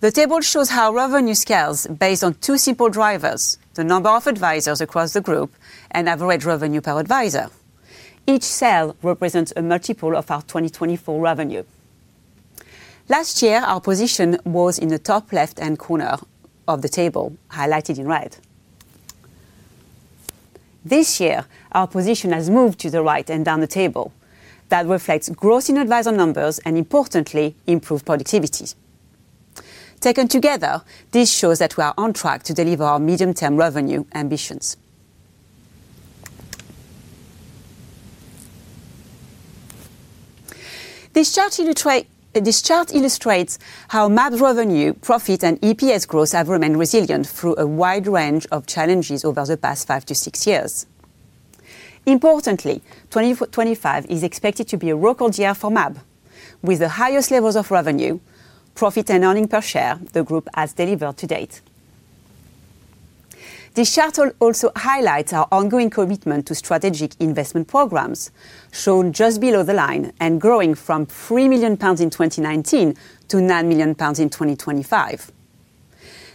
The table shows how revenue scales based on two simple drivers: the number of advisors across the group and average revenue per advisor. Each cell represents a multiple of our 2024 revenue. Last year, our position was in the top left-hand corner of the table, highlighted in red. This year, our position has moved to the right and down the table. That reflects growth in advisor numbers and, importantly, improved productivity. Taken together, this shows that we are on track to deliver our medium-term revenue ambitions. This chart illustrates how MAB's revenue, profit, and EPS growth have remained resilient through a wide range of challenges over the past five to six years. Importantly, 2025 is expected to be a record year for MAB, with the highest levels of revenue, profit, and earnings per share the group has delivered to date. This chart will also highlight our ongoing commitment to strategic investment programs, shown just below the line and growing from 3 million pounds in 2019 to 9 million pounds in 2025.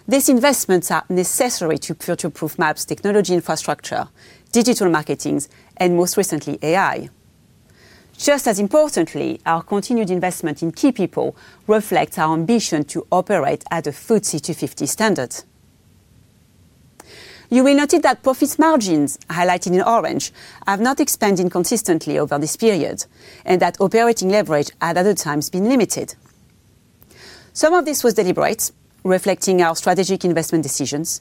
These investments are necessary to future-proof MAB's technology infrastructure, digital marketing, and most recently, AI. Just as importantly, our continued investment in key people reflects our ambition to operate at a FTSE 250 standard. You will notice that profit margins, highlighted in orange, have not expanded consistently over this period, and that operating leverage had at times been limited. Some of this was deliberate, reflecting our strategic investment decisions.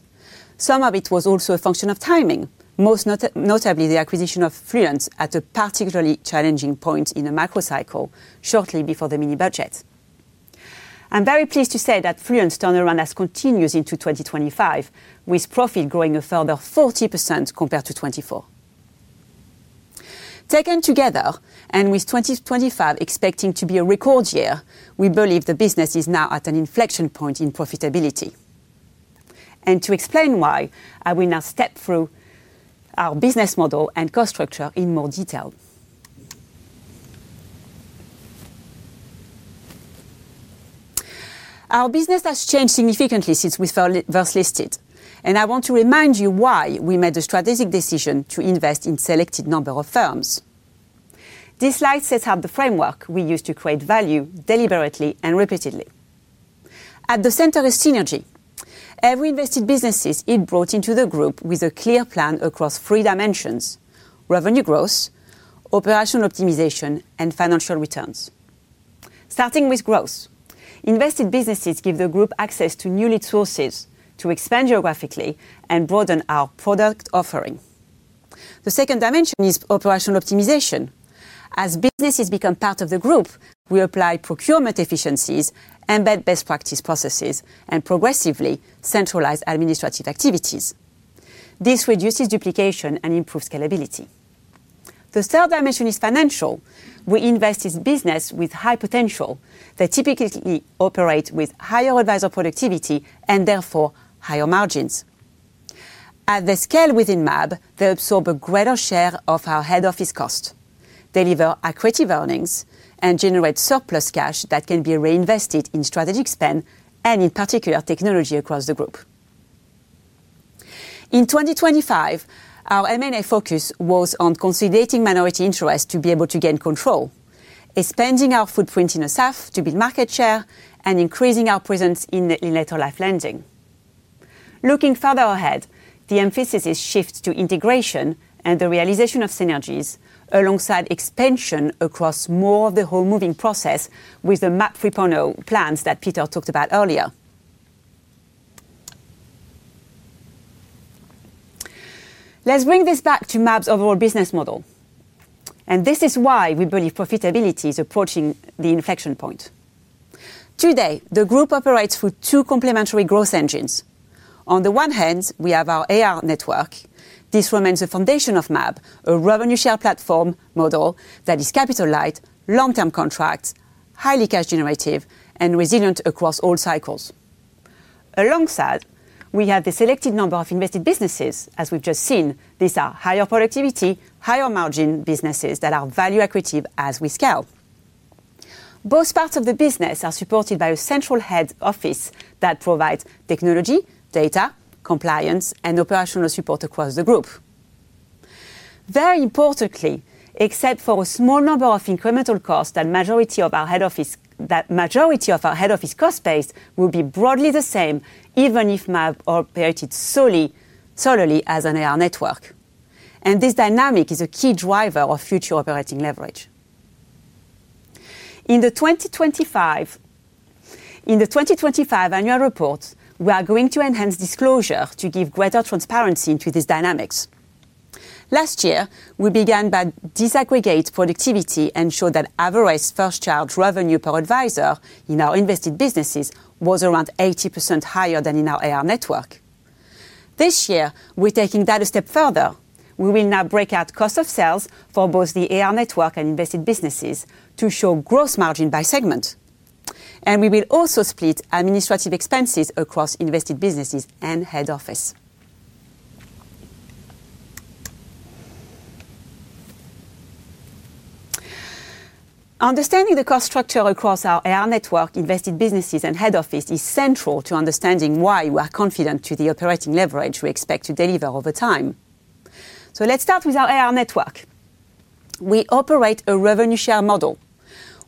Some of it was also a function of timing, most notably, the acquisition of Fluent at a particularly challenging point in the macro cycle shortly before the mini budget. I'm very pleased to say that Fluent turnaround has continued into 2025, with profit growing a further 40% compared to 2024. Taken together, and with 2025 expecting to be a record year, we believe the business is now at an inflection point in profitability. And to explain why, I will now step through our business model and cost structure in more detail. Our business has changed significantly since we first listed, and I want to remind you why we made the strategic decision to invest in selected number of firms. This slide sets out the framework we use to create value deliberately and repeatedly. At the center is synergy. Every invested business is brought into the group with a clear plan across three dimensions: revenue growth, operational optimization, and financial returns. Starting with growth, invested businesses give the group access to new lead sources to expand geographically and broaden our product offering. The second dimension is operational optimization. As businesses become part of the group, we apply procurement efficiencies, embed best practice processes, and progressively centralize administrative activities. This reduces duplication and improves scalability. The third dimension is financial. We invest in businesses with high potential. They typically operate with higher advisor productivity and therefore higher margins. At the scale within MAB, they absorb a greater share of our head office cost, deliver accretive earnings, and generate surplus cash that can be reinvested in strategic spend and in particular technology across the group. In 2025, our M&A focus was on consolidating minority interest to be able to gain control, expanding our footprint in the South to build market share, and increasing our presence in the later life lending. Looking further ahead, the emphasis shifts to integration and the realization of synergies alongside expansion across more of the home moving process with the MAB 3.0 plans that Peter talked about earlier. Let's bring this back to MAB's overall business model, and this is why we believe profitability is approaching the inflection point. Today, the group operates with two complementary growth engines. On the one hand, we have our AR network. This remains a foundation of MAB, a revenue share platform model that is capital light, long-term contracts, highly cash generative, and resilient across all cycles. Alongside, we have a selected number of invested businesses. As we've just seen, these are higher productivity, higher margin businesses that are value accretive as we scale. Both parts of the business are supported by a central head office that provides technology, data, compliance, and operational support across the group. Very importantly, except for a small number of incremental costs, that majority of our head office, that majority of our head office cost base will be broadly the same, even if MAB operated solely, solely as an AR network. This dynamic is a key driver of future operating leverage. In the 2025, in the 2025 annual report, we are going to enhance disclosure to give greater transparency into these dynamics. Last year, we began by disaggregating productivity and showing that average first charge revenue per advisor in our invested businesses was around 80% higher than in our AR network. This year, we're taking that a step further. We will now break out cost of sales for both the AR network and invested businesses to show gross margin by segment. We will also split administrative expenses across invested businesses and head office. Understanding the cost structure across our AR network, invested businesses and head office is central to understanding why we are confident to the operating leverage we expect to deliver over time. Let's start with our AR network. We operate a revenue share model.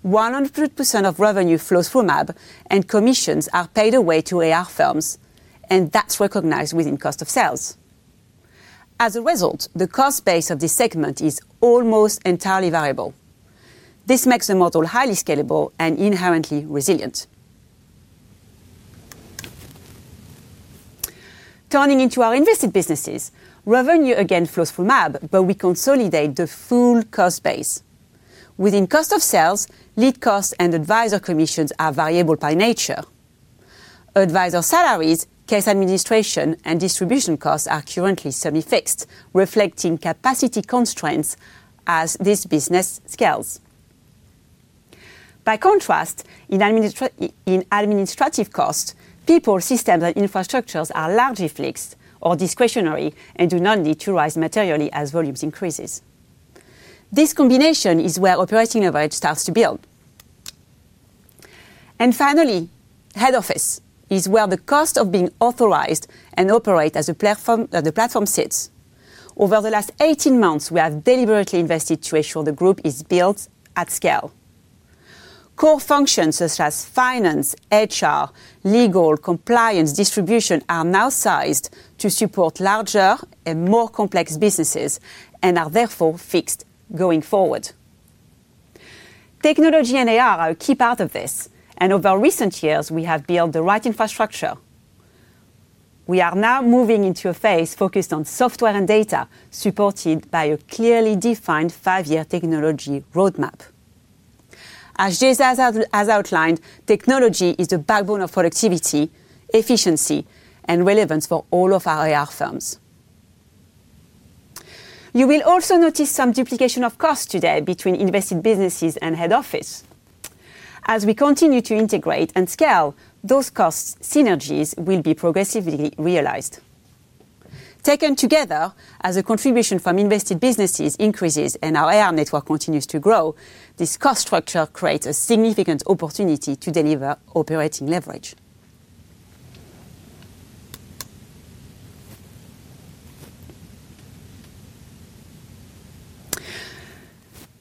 100% of revenue flows through MAB and commissions are paid away to AR firms, and that's recognized within cost of sales. As a result, the cost base of this segment is almost entirely variable. This makes the model highly scalable and inherently resilient. Turning to our invested businesses, revenue again flows through MAB, but we consolidate the full cost base. Within cost of sales, lead costs and advisor commissions are variable by nature. Advisor salaries, case administration, and distribution costs are currently semi-fixed, reflecting capacity constraints as this business scales. By contrast, in administrative costs, people, systems and infrastructures are largely fixed or discretionary and do not need to rise materially as volumes increases. This combination is where operating leverage starts to build. Finally, head office is where the cost of being authorized and operate as a platform, where the platform sits. Over the last 18 months, we have deliberately invested to ensure the group is built at scale. Core functions such as finance, HR, legal, compliance, distribution are now sized to support larger and more complex businesses, and are therefore fixed going forward. Technology and AI are a key part of this, and over recent years we have built the right infrastructure. We are now moving into a phase focused on software and data, supported by a clearly defined five-year technology roadmap. As Yaiza has outlined, technology is the backbone of productivity, efficiency, and relevance for all of our AR firms. You will also notice some duplication of costs today between invested businesses and head office. As we continue to integrate and scale, those cost synergies will be progressively realized. Taken together, as a contribution from invested businesses increases and our AR network continues to grow, this cost structure creates a significant opportunity to deliver operating leverage.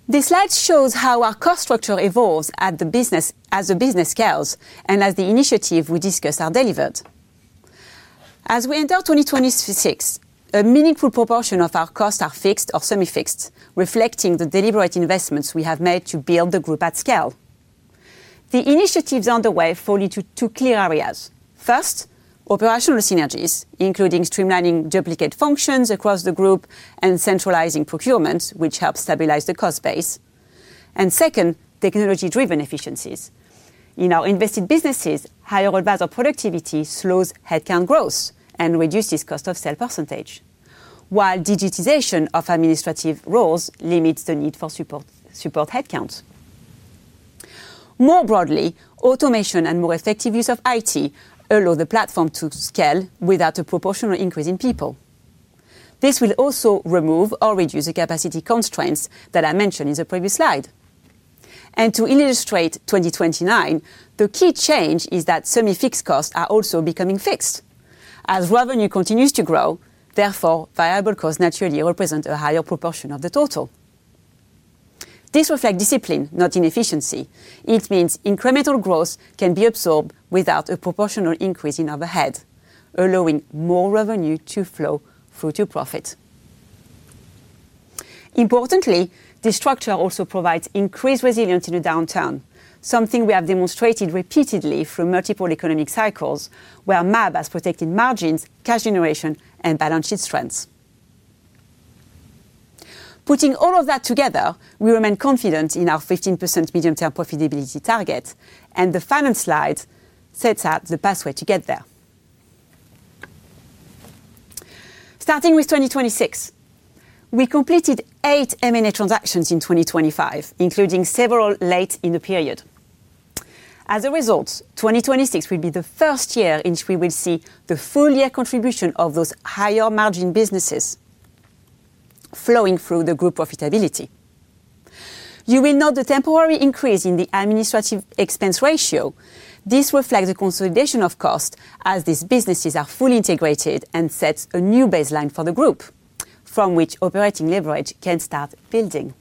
This slide shows how our cost structure evolves at the business, as the business scales and as the initiatives we discussed are delivered. As we enter 2026, a meaningful proportion of our costs are fixed or semi-fixed, reflecting the deliberate investments we have made to build the group at scale. The initiatives underway fall into two clear areas: First, operational synergies, including streamlining duplicate functions across the group and centralizing procurement, which helps stabilize the cost base. And second, technology-driven efficiencies. In our invested businesses, higher levels of productivity slows headcount growth and reduces cost of sale percentage, while digitization of administrative roles limits the need for support headcounts. More broadly, automation and more effective use of IT allow the platform to scale without a proportional increase in people. This will also remove or reduce the capacity constraints that I mentioned in the previous slide. To illustrate 2029, the key change is that semi-fixed costs are also becoming fixed. As revenue continues to grow, therefore, variable costs naturally represent a higher proportion of the total. This reflects discipline, not inefficiency. It means incremental growth can be absorbed without a proportional increase in overhead, allowing more revenue to flow through to profit. Importantly, this structure also provides increased resilience in a downturn, something we have demonstrated repeatedly through multiple economic cycles, where MAB has protected margins, cash generation, and balance sheet strengths. Putting all of that together, we remain confident in our 15% medium-term profitability target, and the final slide sets out the pathway to get there. Starting with 2026. We completed eight M&A transactions in 2025, including several late in the period. As a result, 2026 will be the first year in which we will see the full year contribution of those higher margin businesses flowing through the group profitability. You will note the temporary increase in the administrative expense ratio. This reflects the consolidation of cost as these businesses are fully integrated and sets a new baseline for the group, from which operating leverage can start building.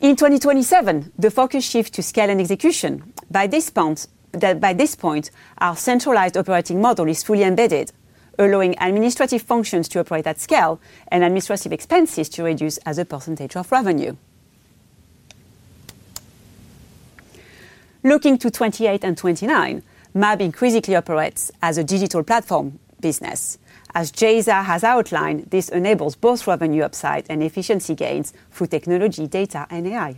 In 2027, the focus shifts to scale and execution. By this point, our centralized operating model is fully embedded, allowing administrative functions to operate at scale and administrative expenses to reduce as a percentage of revenue. Looking to 2028 and 2029, MAB increasingly operates as a digital platform business. As Yaiza has outlined, this enables both revenue upside and efficiency gains through technology, data, and AI.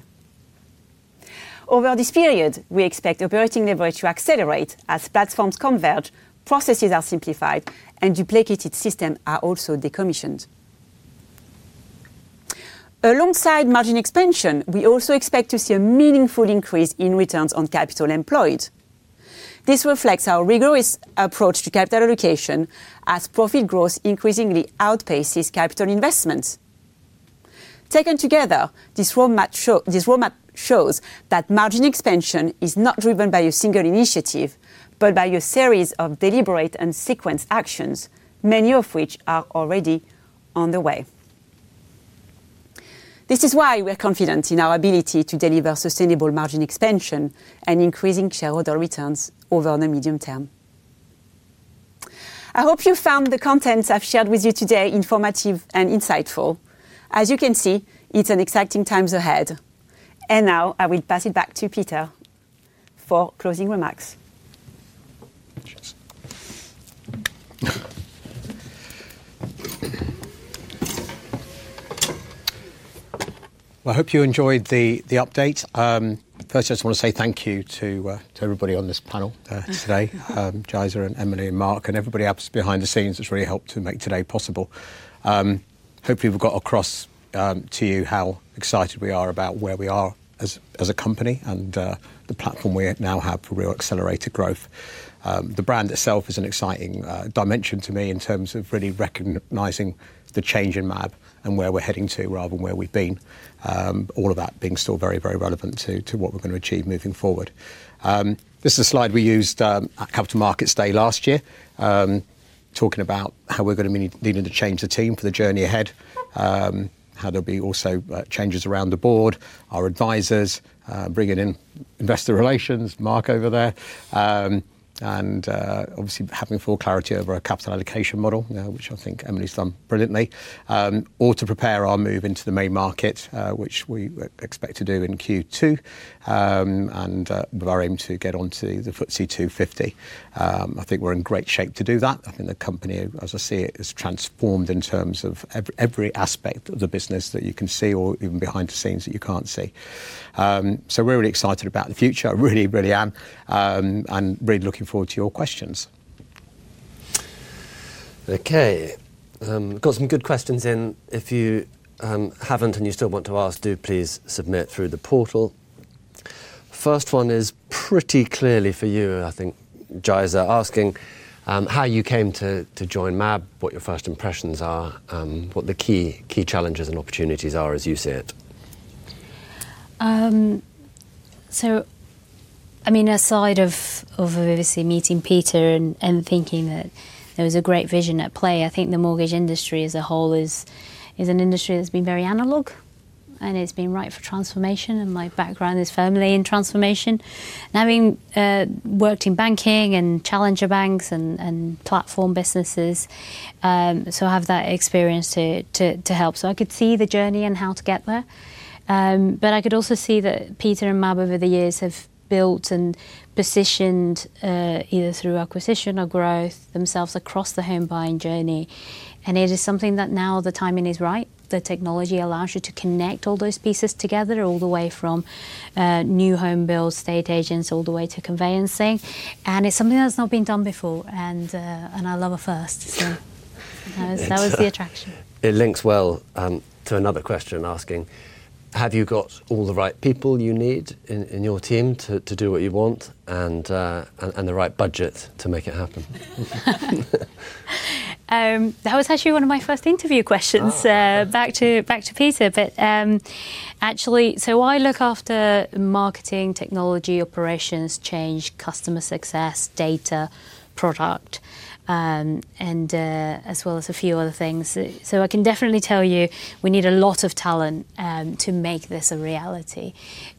Over this period, we expect operating leverage to accelerate as platforms converge, processes are simplified, and duplicated systems are also decommissioned. Alongside margin expansion, we also expect to see a meaningful increase in returns on capital employed. This reflects our rigorous approach to capital allocation as profit growth increasingly outpaces capital investments. Taken together, this roadmap shows that margin expansion is not driven by a single initiative, but by a series of deliberate and sequenced actions, many of which are already on the way. This is why we are confident in our ability to deliver sustainable margin expansion and increasing shareholder returns over the medium term. I hope you found the contents I've shared with you today informative and insightful. As you can see, it's an exciting times ahead. Now I will pass it back to Peter for closing remarks. Cheers. Well, I hope you enjoyed the update. Firstly, I just want to say thank you to everybody on this panel today. Yaiza and Emilie and Mark, and everybody else behind the scenes who's really helped to make today possible. Hopefully, we've got across to you how excited we are about where we are as a company, and the platform we now have for real accelerated growth. The brand itself is an exciting dimension to me in terms of really recognizing the change in MAB and where we're heading to rather than where we've been. All of that being still very, very relevant to what we're gonna achieve moving forward. This is a slide we used at Capital Markets Day last year, talking about how we're gonna be needing to change the team for the journey ahead, how there'll be also changes around the board, our advisors, bringing in investor relations, Mark, over there. Obviously, having full clarity over our capital allocation model, which I think Emilie's done brilliantly. All to prepare our move into the Main Market, which we expect to do in Q2, and with our aim to get onto the FTSE 250. I think we're in great shape to do that. I think the company, as I see it, is transformed in terms of every aspect of the business that you can see or even behind the scenes that you can't see. So we're really excited about the future. I really, really am, and really looking forward to your questions. Okay, got some good questions in. If you haven't, and you still want to ask, do please submit through the portal. First one is pretty clearly for you, I think, Yaiza, asking how you came to join MAB, what your first impressions are, and what the key, key challenges and opportunities are as you see it? So, I mean, aside from obviously meeting Peter and thinking that there was a great vision at play, I think the mortgage industry as a whole is an industry that's been very analog, and it's been ripe for transformation, and my background is firmly in transformation. And having worked in banking and challenger banks and platform businesses, so I have that experience to help. So I could see the journey and how to get there. But I could also see that Peter and MAB, over the years, have built and positioned either through acquisition or growth, themselves across the home buying journey. And it is something that now the timing is right. The technology allows you to connect all those pieces together, all the way from, new home builds, estate agents, all the way to conveyancing, and it's something that's not been done before, and I love a first, so that was the attraction. It links well to another question asking: Have you got all the right people you need in your team to do what you want, and the right budget to make it happen? That was actually one of my first interview questions-- Oh, okay. Back to, back to Peter. But, actually. So I look after marketing, technology, operations, change, customer success, data, product, and, as well as a few other things. So I can definitely tell you, we need a lot of talent, to make this a reality,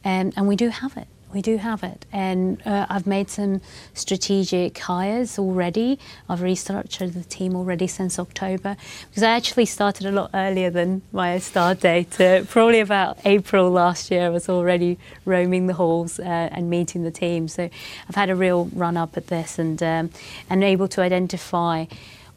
and we do have it. We do have it, and, I've made some strategic hires already. I've restructured the team already since October, 'cause I actually started a lot earlier than my start date. Probably about April last year, I was already roaming the halls, and meeting the team. So I've had a real run-up at this, and, and able to identify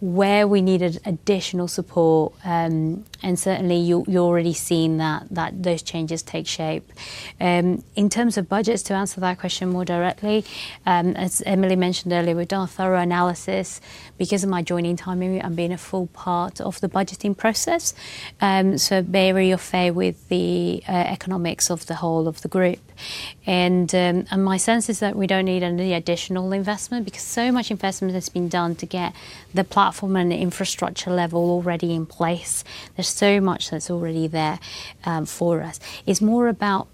where we needed additional support. And certainly, you, you're already seeing that, that those changes take shape. In terms of budgets, to answer that question more directly, as Emilie mentioned earlier, we've done a thorough analysis. Because of my joining timing, I'm being a full part of the budgeting process, so very au fait with the economics of the whole of the group. My sense is that we don't need any additional investment, because so much investment has been done to get the platform and the infrastructure level already in place. There's so much that's already there, for us. It's more about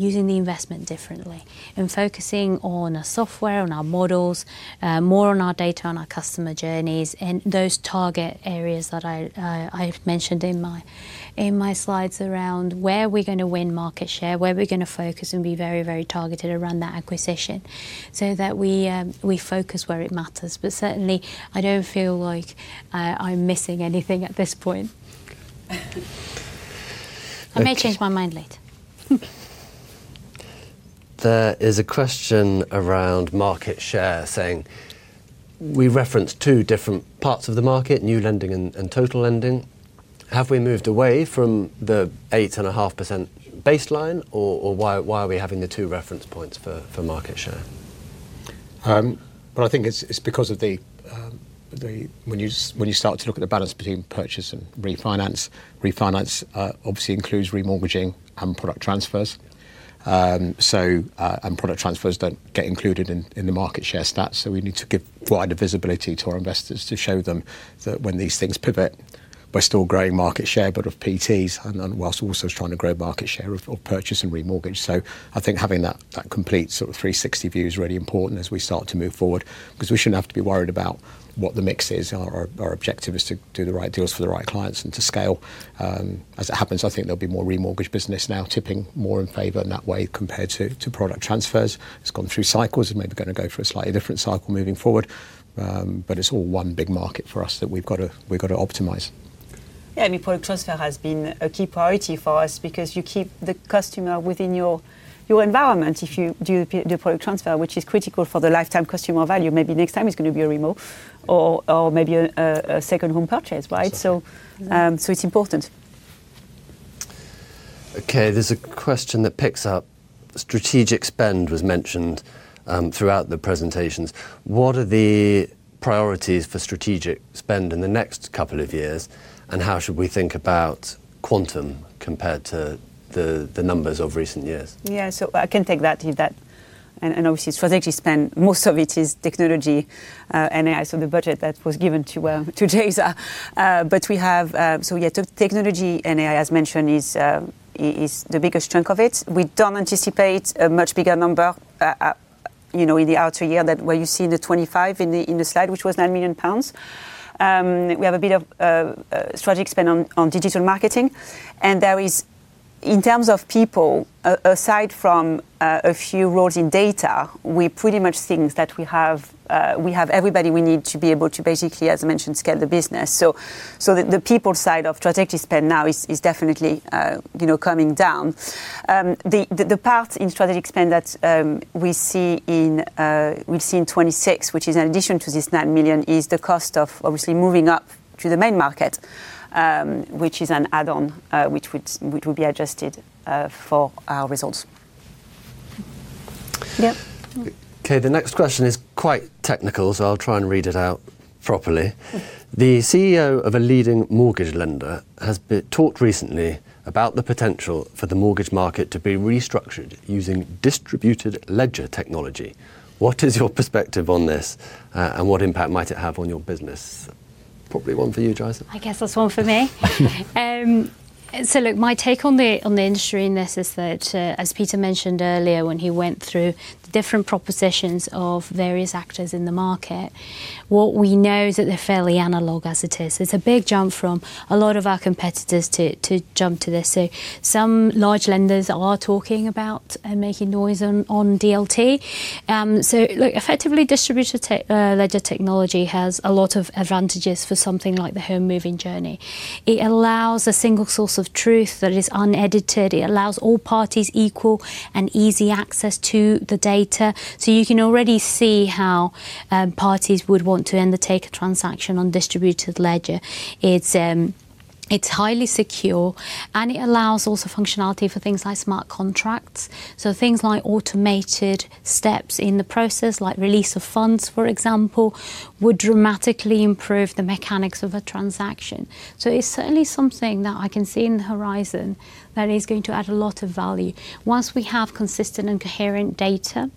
using the investment differently and focusing on our software, on our models, more on our data, on our customer journeys, and those target areas that I've mentioned in my, in my slides around where are we gonna win market share, where are we gonna focus and be very, very targeted around that acquisition, so that we, we focus where it matters. But certainly, I don't feel like, I'm missing anything at this point. Okay. I may change my mind later. There is a question around market share, saying, "We referenced two different parts of the market, new lending and total lending. Have we moved away from the 8.5% baseline, or why are we having the two reference points for market share? When you start to look at the balance between purchase and refinance, refinance obviously includes remortgaging and product transfers. So, and product transfers don't get included in the market share stats, so we need to give wider visibility to our investors to show them that when these things pivot, we're still growing market share, but of PTs and then whilst also trying to grow market share of purchase and remortgage. So I think having that complete sort of 360 view is really important as we start to move forward, 'cause we shouldn't have to be worried about what the mix is. Our objective is to do the right deals for the right clients and to scale. As it happens, I think there'll be more remortgage business now, tipping more in favor in that way compared to product transfers. It's gone through cycles. It may be gonna go through a slightly different cycle moving forward. But it's all one big market for us that we've got to optimize. Yeah, I mean, product transfer has been a key priority for us because you keep the customer within your environment if you do the product transfer, which is critical for the lifetime customer value. Maybe next time it's gonna be a remortgage or maybe a second home purchase, right? It's important. Okay, there's a question that picks up, strategic spend was mentioned throughout the presentations. What are the priorities for strategic spend in the next couple of years, and how should we think about quantum compared to the numbers of recent years? Yeah, so I can take that. And obviously, strategic spend, most of it is technology, and so the budget that was given to Yaiza. But we have, so we get technology, and as mentioned, is the biggest chunk of it. We don't anticipate a much bigger number, you know, in the outer year, that where you see the 2025 in the slide, which was 9 million pounds. We have a bit of strategic spend on digital marketing, and there is, in terms of people, aside from a few roles in data, we pretty much think that we have everybody we need to be able to basically, as I mentioned, scale the business. So the people side of strategic spend now is definitely, you know, coming down. The part in strategic spend that we see in, we've seen 2026, which is in addition to this 9 million, is the cost of obviously moving up to the Main Market, which is an add-on, which will be adjusted for our results. Okay, the next question is quite technical, so I'll try and read it out properly. The CEO of a leading mortgage lender has talked recently about the potential for the mortgage market to be restructured using distributed ledger technology. What is your perspective on this, and what impact might it have on your business? Probably one for you, Yaiza. I guess that's one for me. So look, my take on the, on the industry in this is that, as Peter mentioned earlier, when he went through the different propositions of various actors in the market, what we know is that they're fairly analog as it is. It's a big jump from a lot of our competitors to, to jump to this. So some large lenders are talking about and making noise on DLT. So, look, effectively, distributed ledger technology has a lot of advantages for something like the home moving journey. It allows a single source of truth that is unedited. It allows all parties equal and easy access to the data. So you can already see how, parties would want to undertake a transaction on distributed ledger. It's highly secure, and it allows also functionality for things like smart contracts. So things like automated steps in the process, like release of funds, for example, would dramatically improve the mechanics of a transaction. So it's certainly something that I can see in the horizon that is going to add a lot of value once we have consistent and coherent data,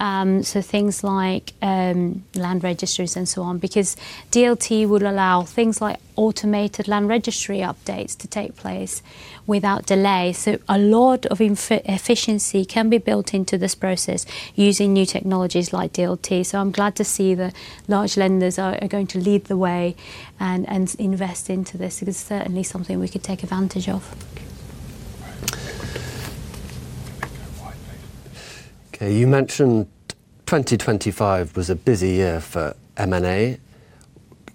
so things like land registries and so on, because DLT would allow things like automated land registry updates to take place without delay. So a lot of inefficiency can be built into this process using new technologies like DLT. So I'm glad to see the large lenders are going to lead the way and invest into this. It is certainly something we could take advantage of. Okay, you mentioned 2025 was a busy year for M&A.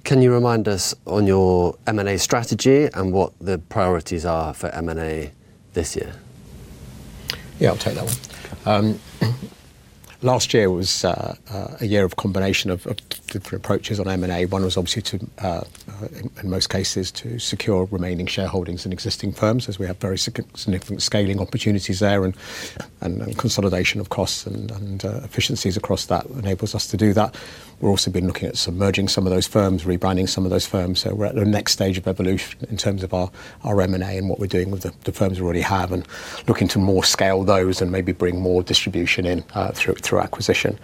Can you remind us on your M&A strategy and what the priorities are for M&A this year? Yeah, I'll take that one. Last year was a year of combination of different approaches on M&A. One was obviously to, in most cases, to secure remaining shareholdings in existing firms, as we have very significant scaling opportunities there and efficiencies across that enables us to do that. We've also been looking at submerging some of those firms, rebranding some of those firms. So we're at the next stage of evolution in terms of our M&A and what we're doing with the firms we already have, and looking to more scale those and maybe bring more distribution in through acquisition.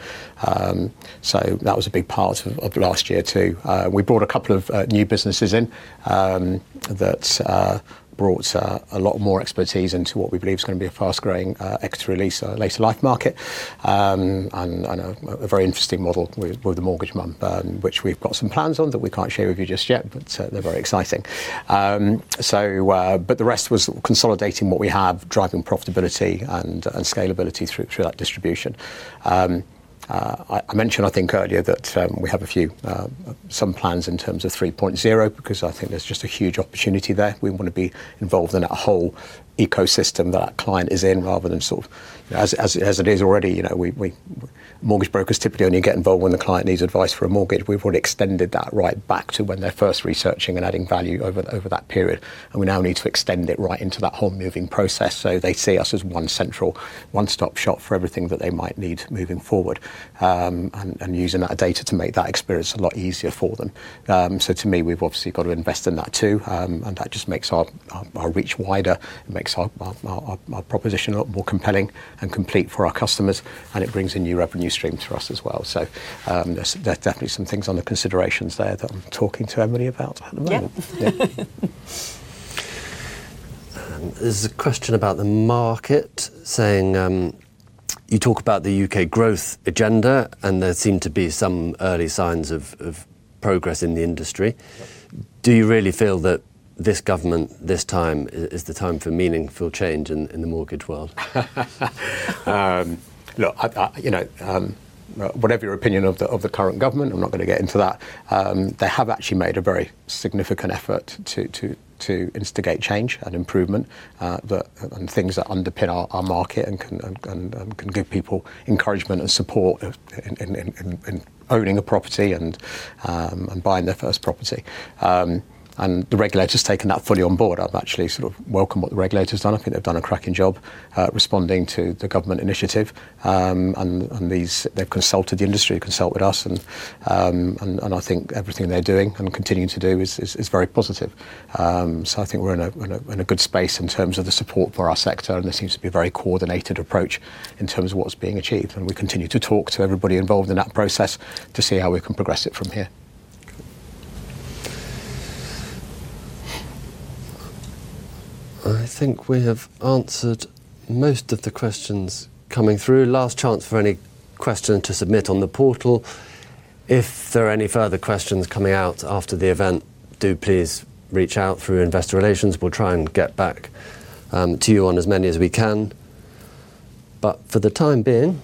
So that was a big part of last year, too. We brought a couple of new businesses in that brought a lot more expertise into what we believe is going to be a fast-growing equity release later life market. And a very interesting model with The Mortgage Mum, which we've got some plans on that we can't share with you just yet, but they're very exciting. So, but the rest was consolidating what we have, driving profitability and scalability through that distribution. I mentioned, I think earlier, that we have a few some plans in terms of 3.0, because I think there's just a huge opportunity there. We want to be involved in that whole ecosystem that client is in, rather than sort of. As it is already, you know, we mortgage brokers typically only get involved when the client needs advice for a mortgage. We've already extended that right back to when they're first researching and adding value over that period, and we now need to extend it right into that whole moving process, so they see us as one central, one-stop shop for everything that they might need moving forward, and using that data to make that experience a lot easier for them. So to me, we've obviously got to invest in that, too, and that just makes our reach wider and makes our proposition a lot more compelling and complete for our customers, and it brings a new revenue stream to us as well. There's definitely some things on the considerations there that I'm talking to Emilie about at the moment. Yeah. There's a question about the market, saying, "You talk about the U.K. growth agenda, and there seem to be some early signs of progress in the industry. Do you really feel that this government, this time, is the time for meaningful change in the mortgage world? Look, I, you know, whatever your opinion of the current government, I'm not going to get into that. They have actually made a very significant effort to instigate change and improvement, and things that underpin our market and can give people encouragement and support in owning a property and buying their first property. And the regulator's taken that fully on board. I've actually sort of welcomed what the regulator's done. I think they've done a cracking job responding to the government initiative. And these, they've consulted the industry, consulted with us, and I think everything they're doing and continuing to do is very positive. So I think we're in a good space in terms of the support for our sector, and there seems to be a very coordinated approach in terms of what's being achieved. We continue to talk to everybody involved in that process to see how we can progress it from here. I think we have answered most of the questions coming through. Last chance for any question to submit on the portal. If there are any further questions coming out after the event, do please reach out through investor relations. We'll try and get back to you on as many as we can. But for the time being,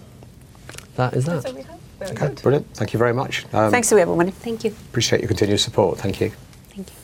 that is that. That's all we have. Okay, brilliant. Thank you very much. Thanks to everyone. Thank you. Appreciate your continued support. Thank you. Thank you.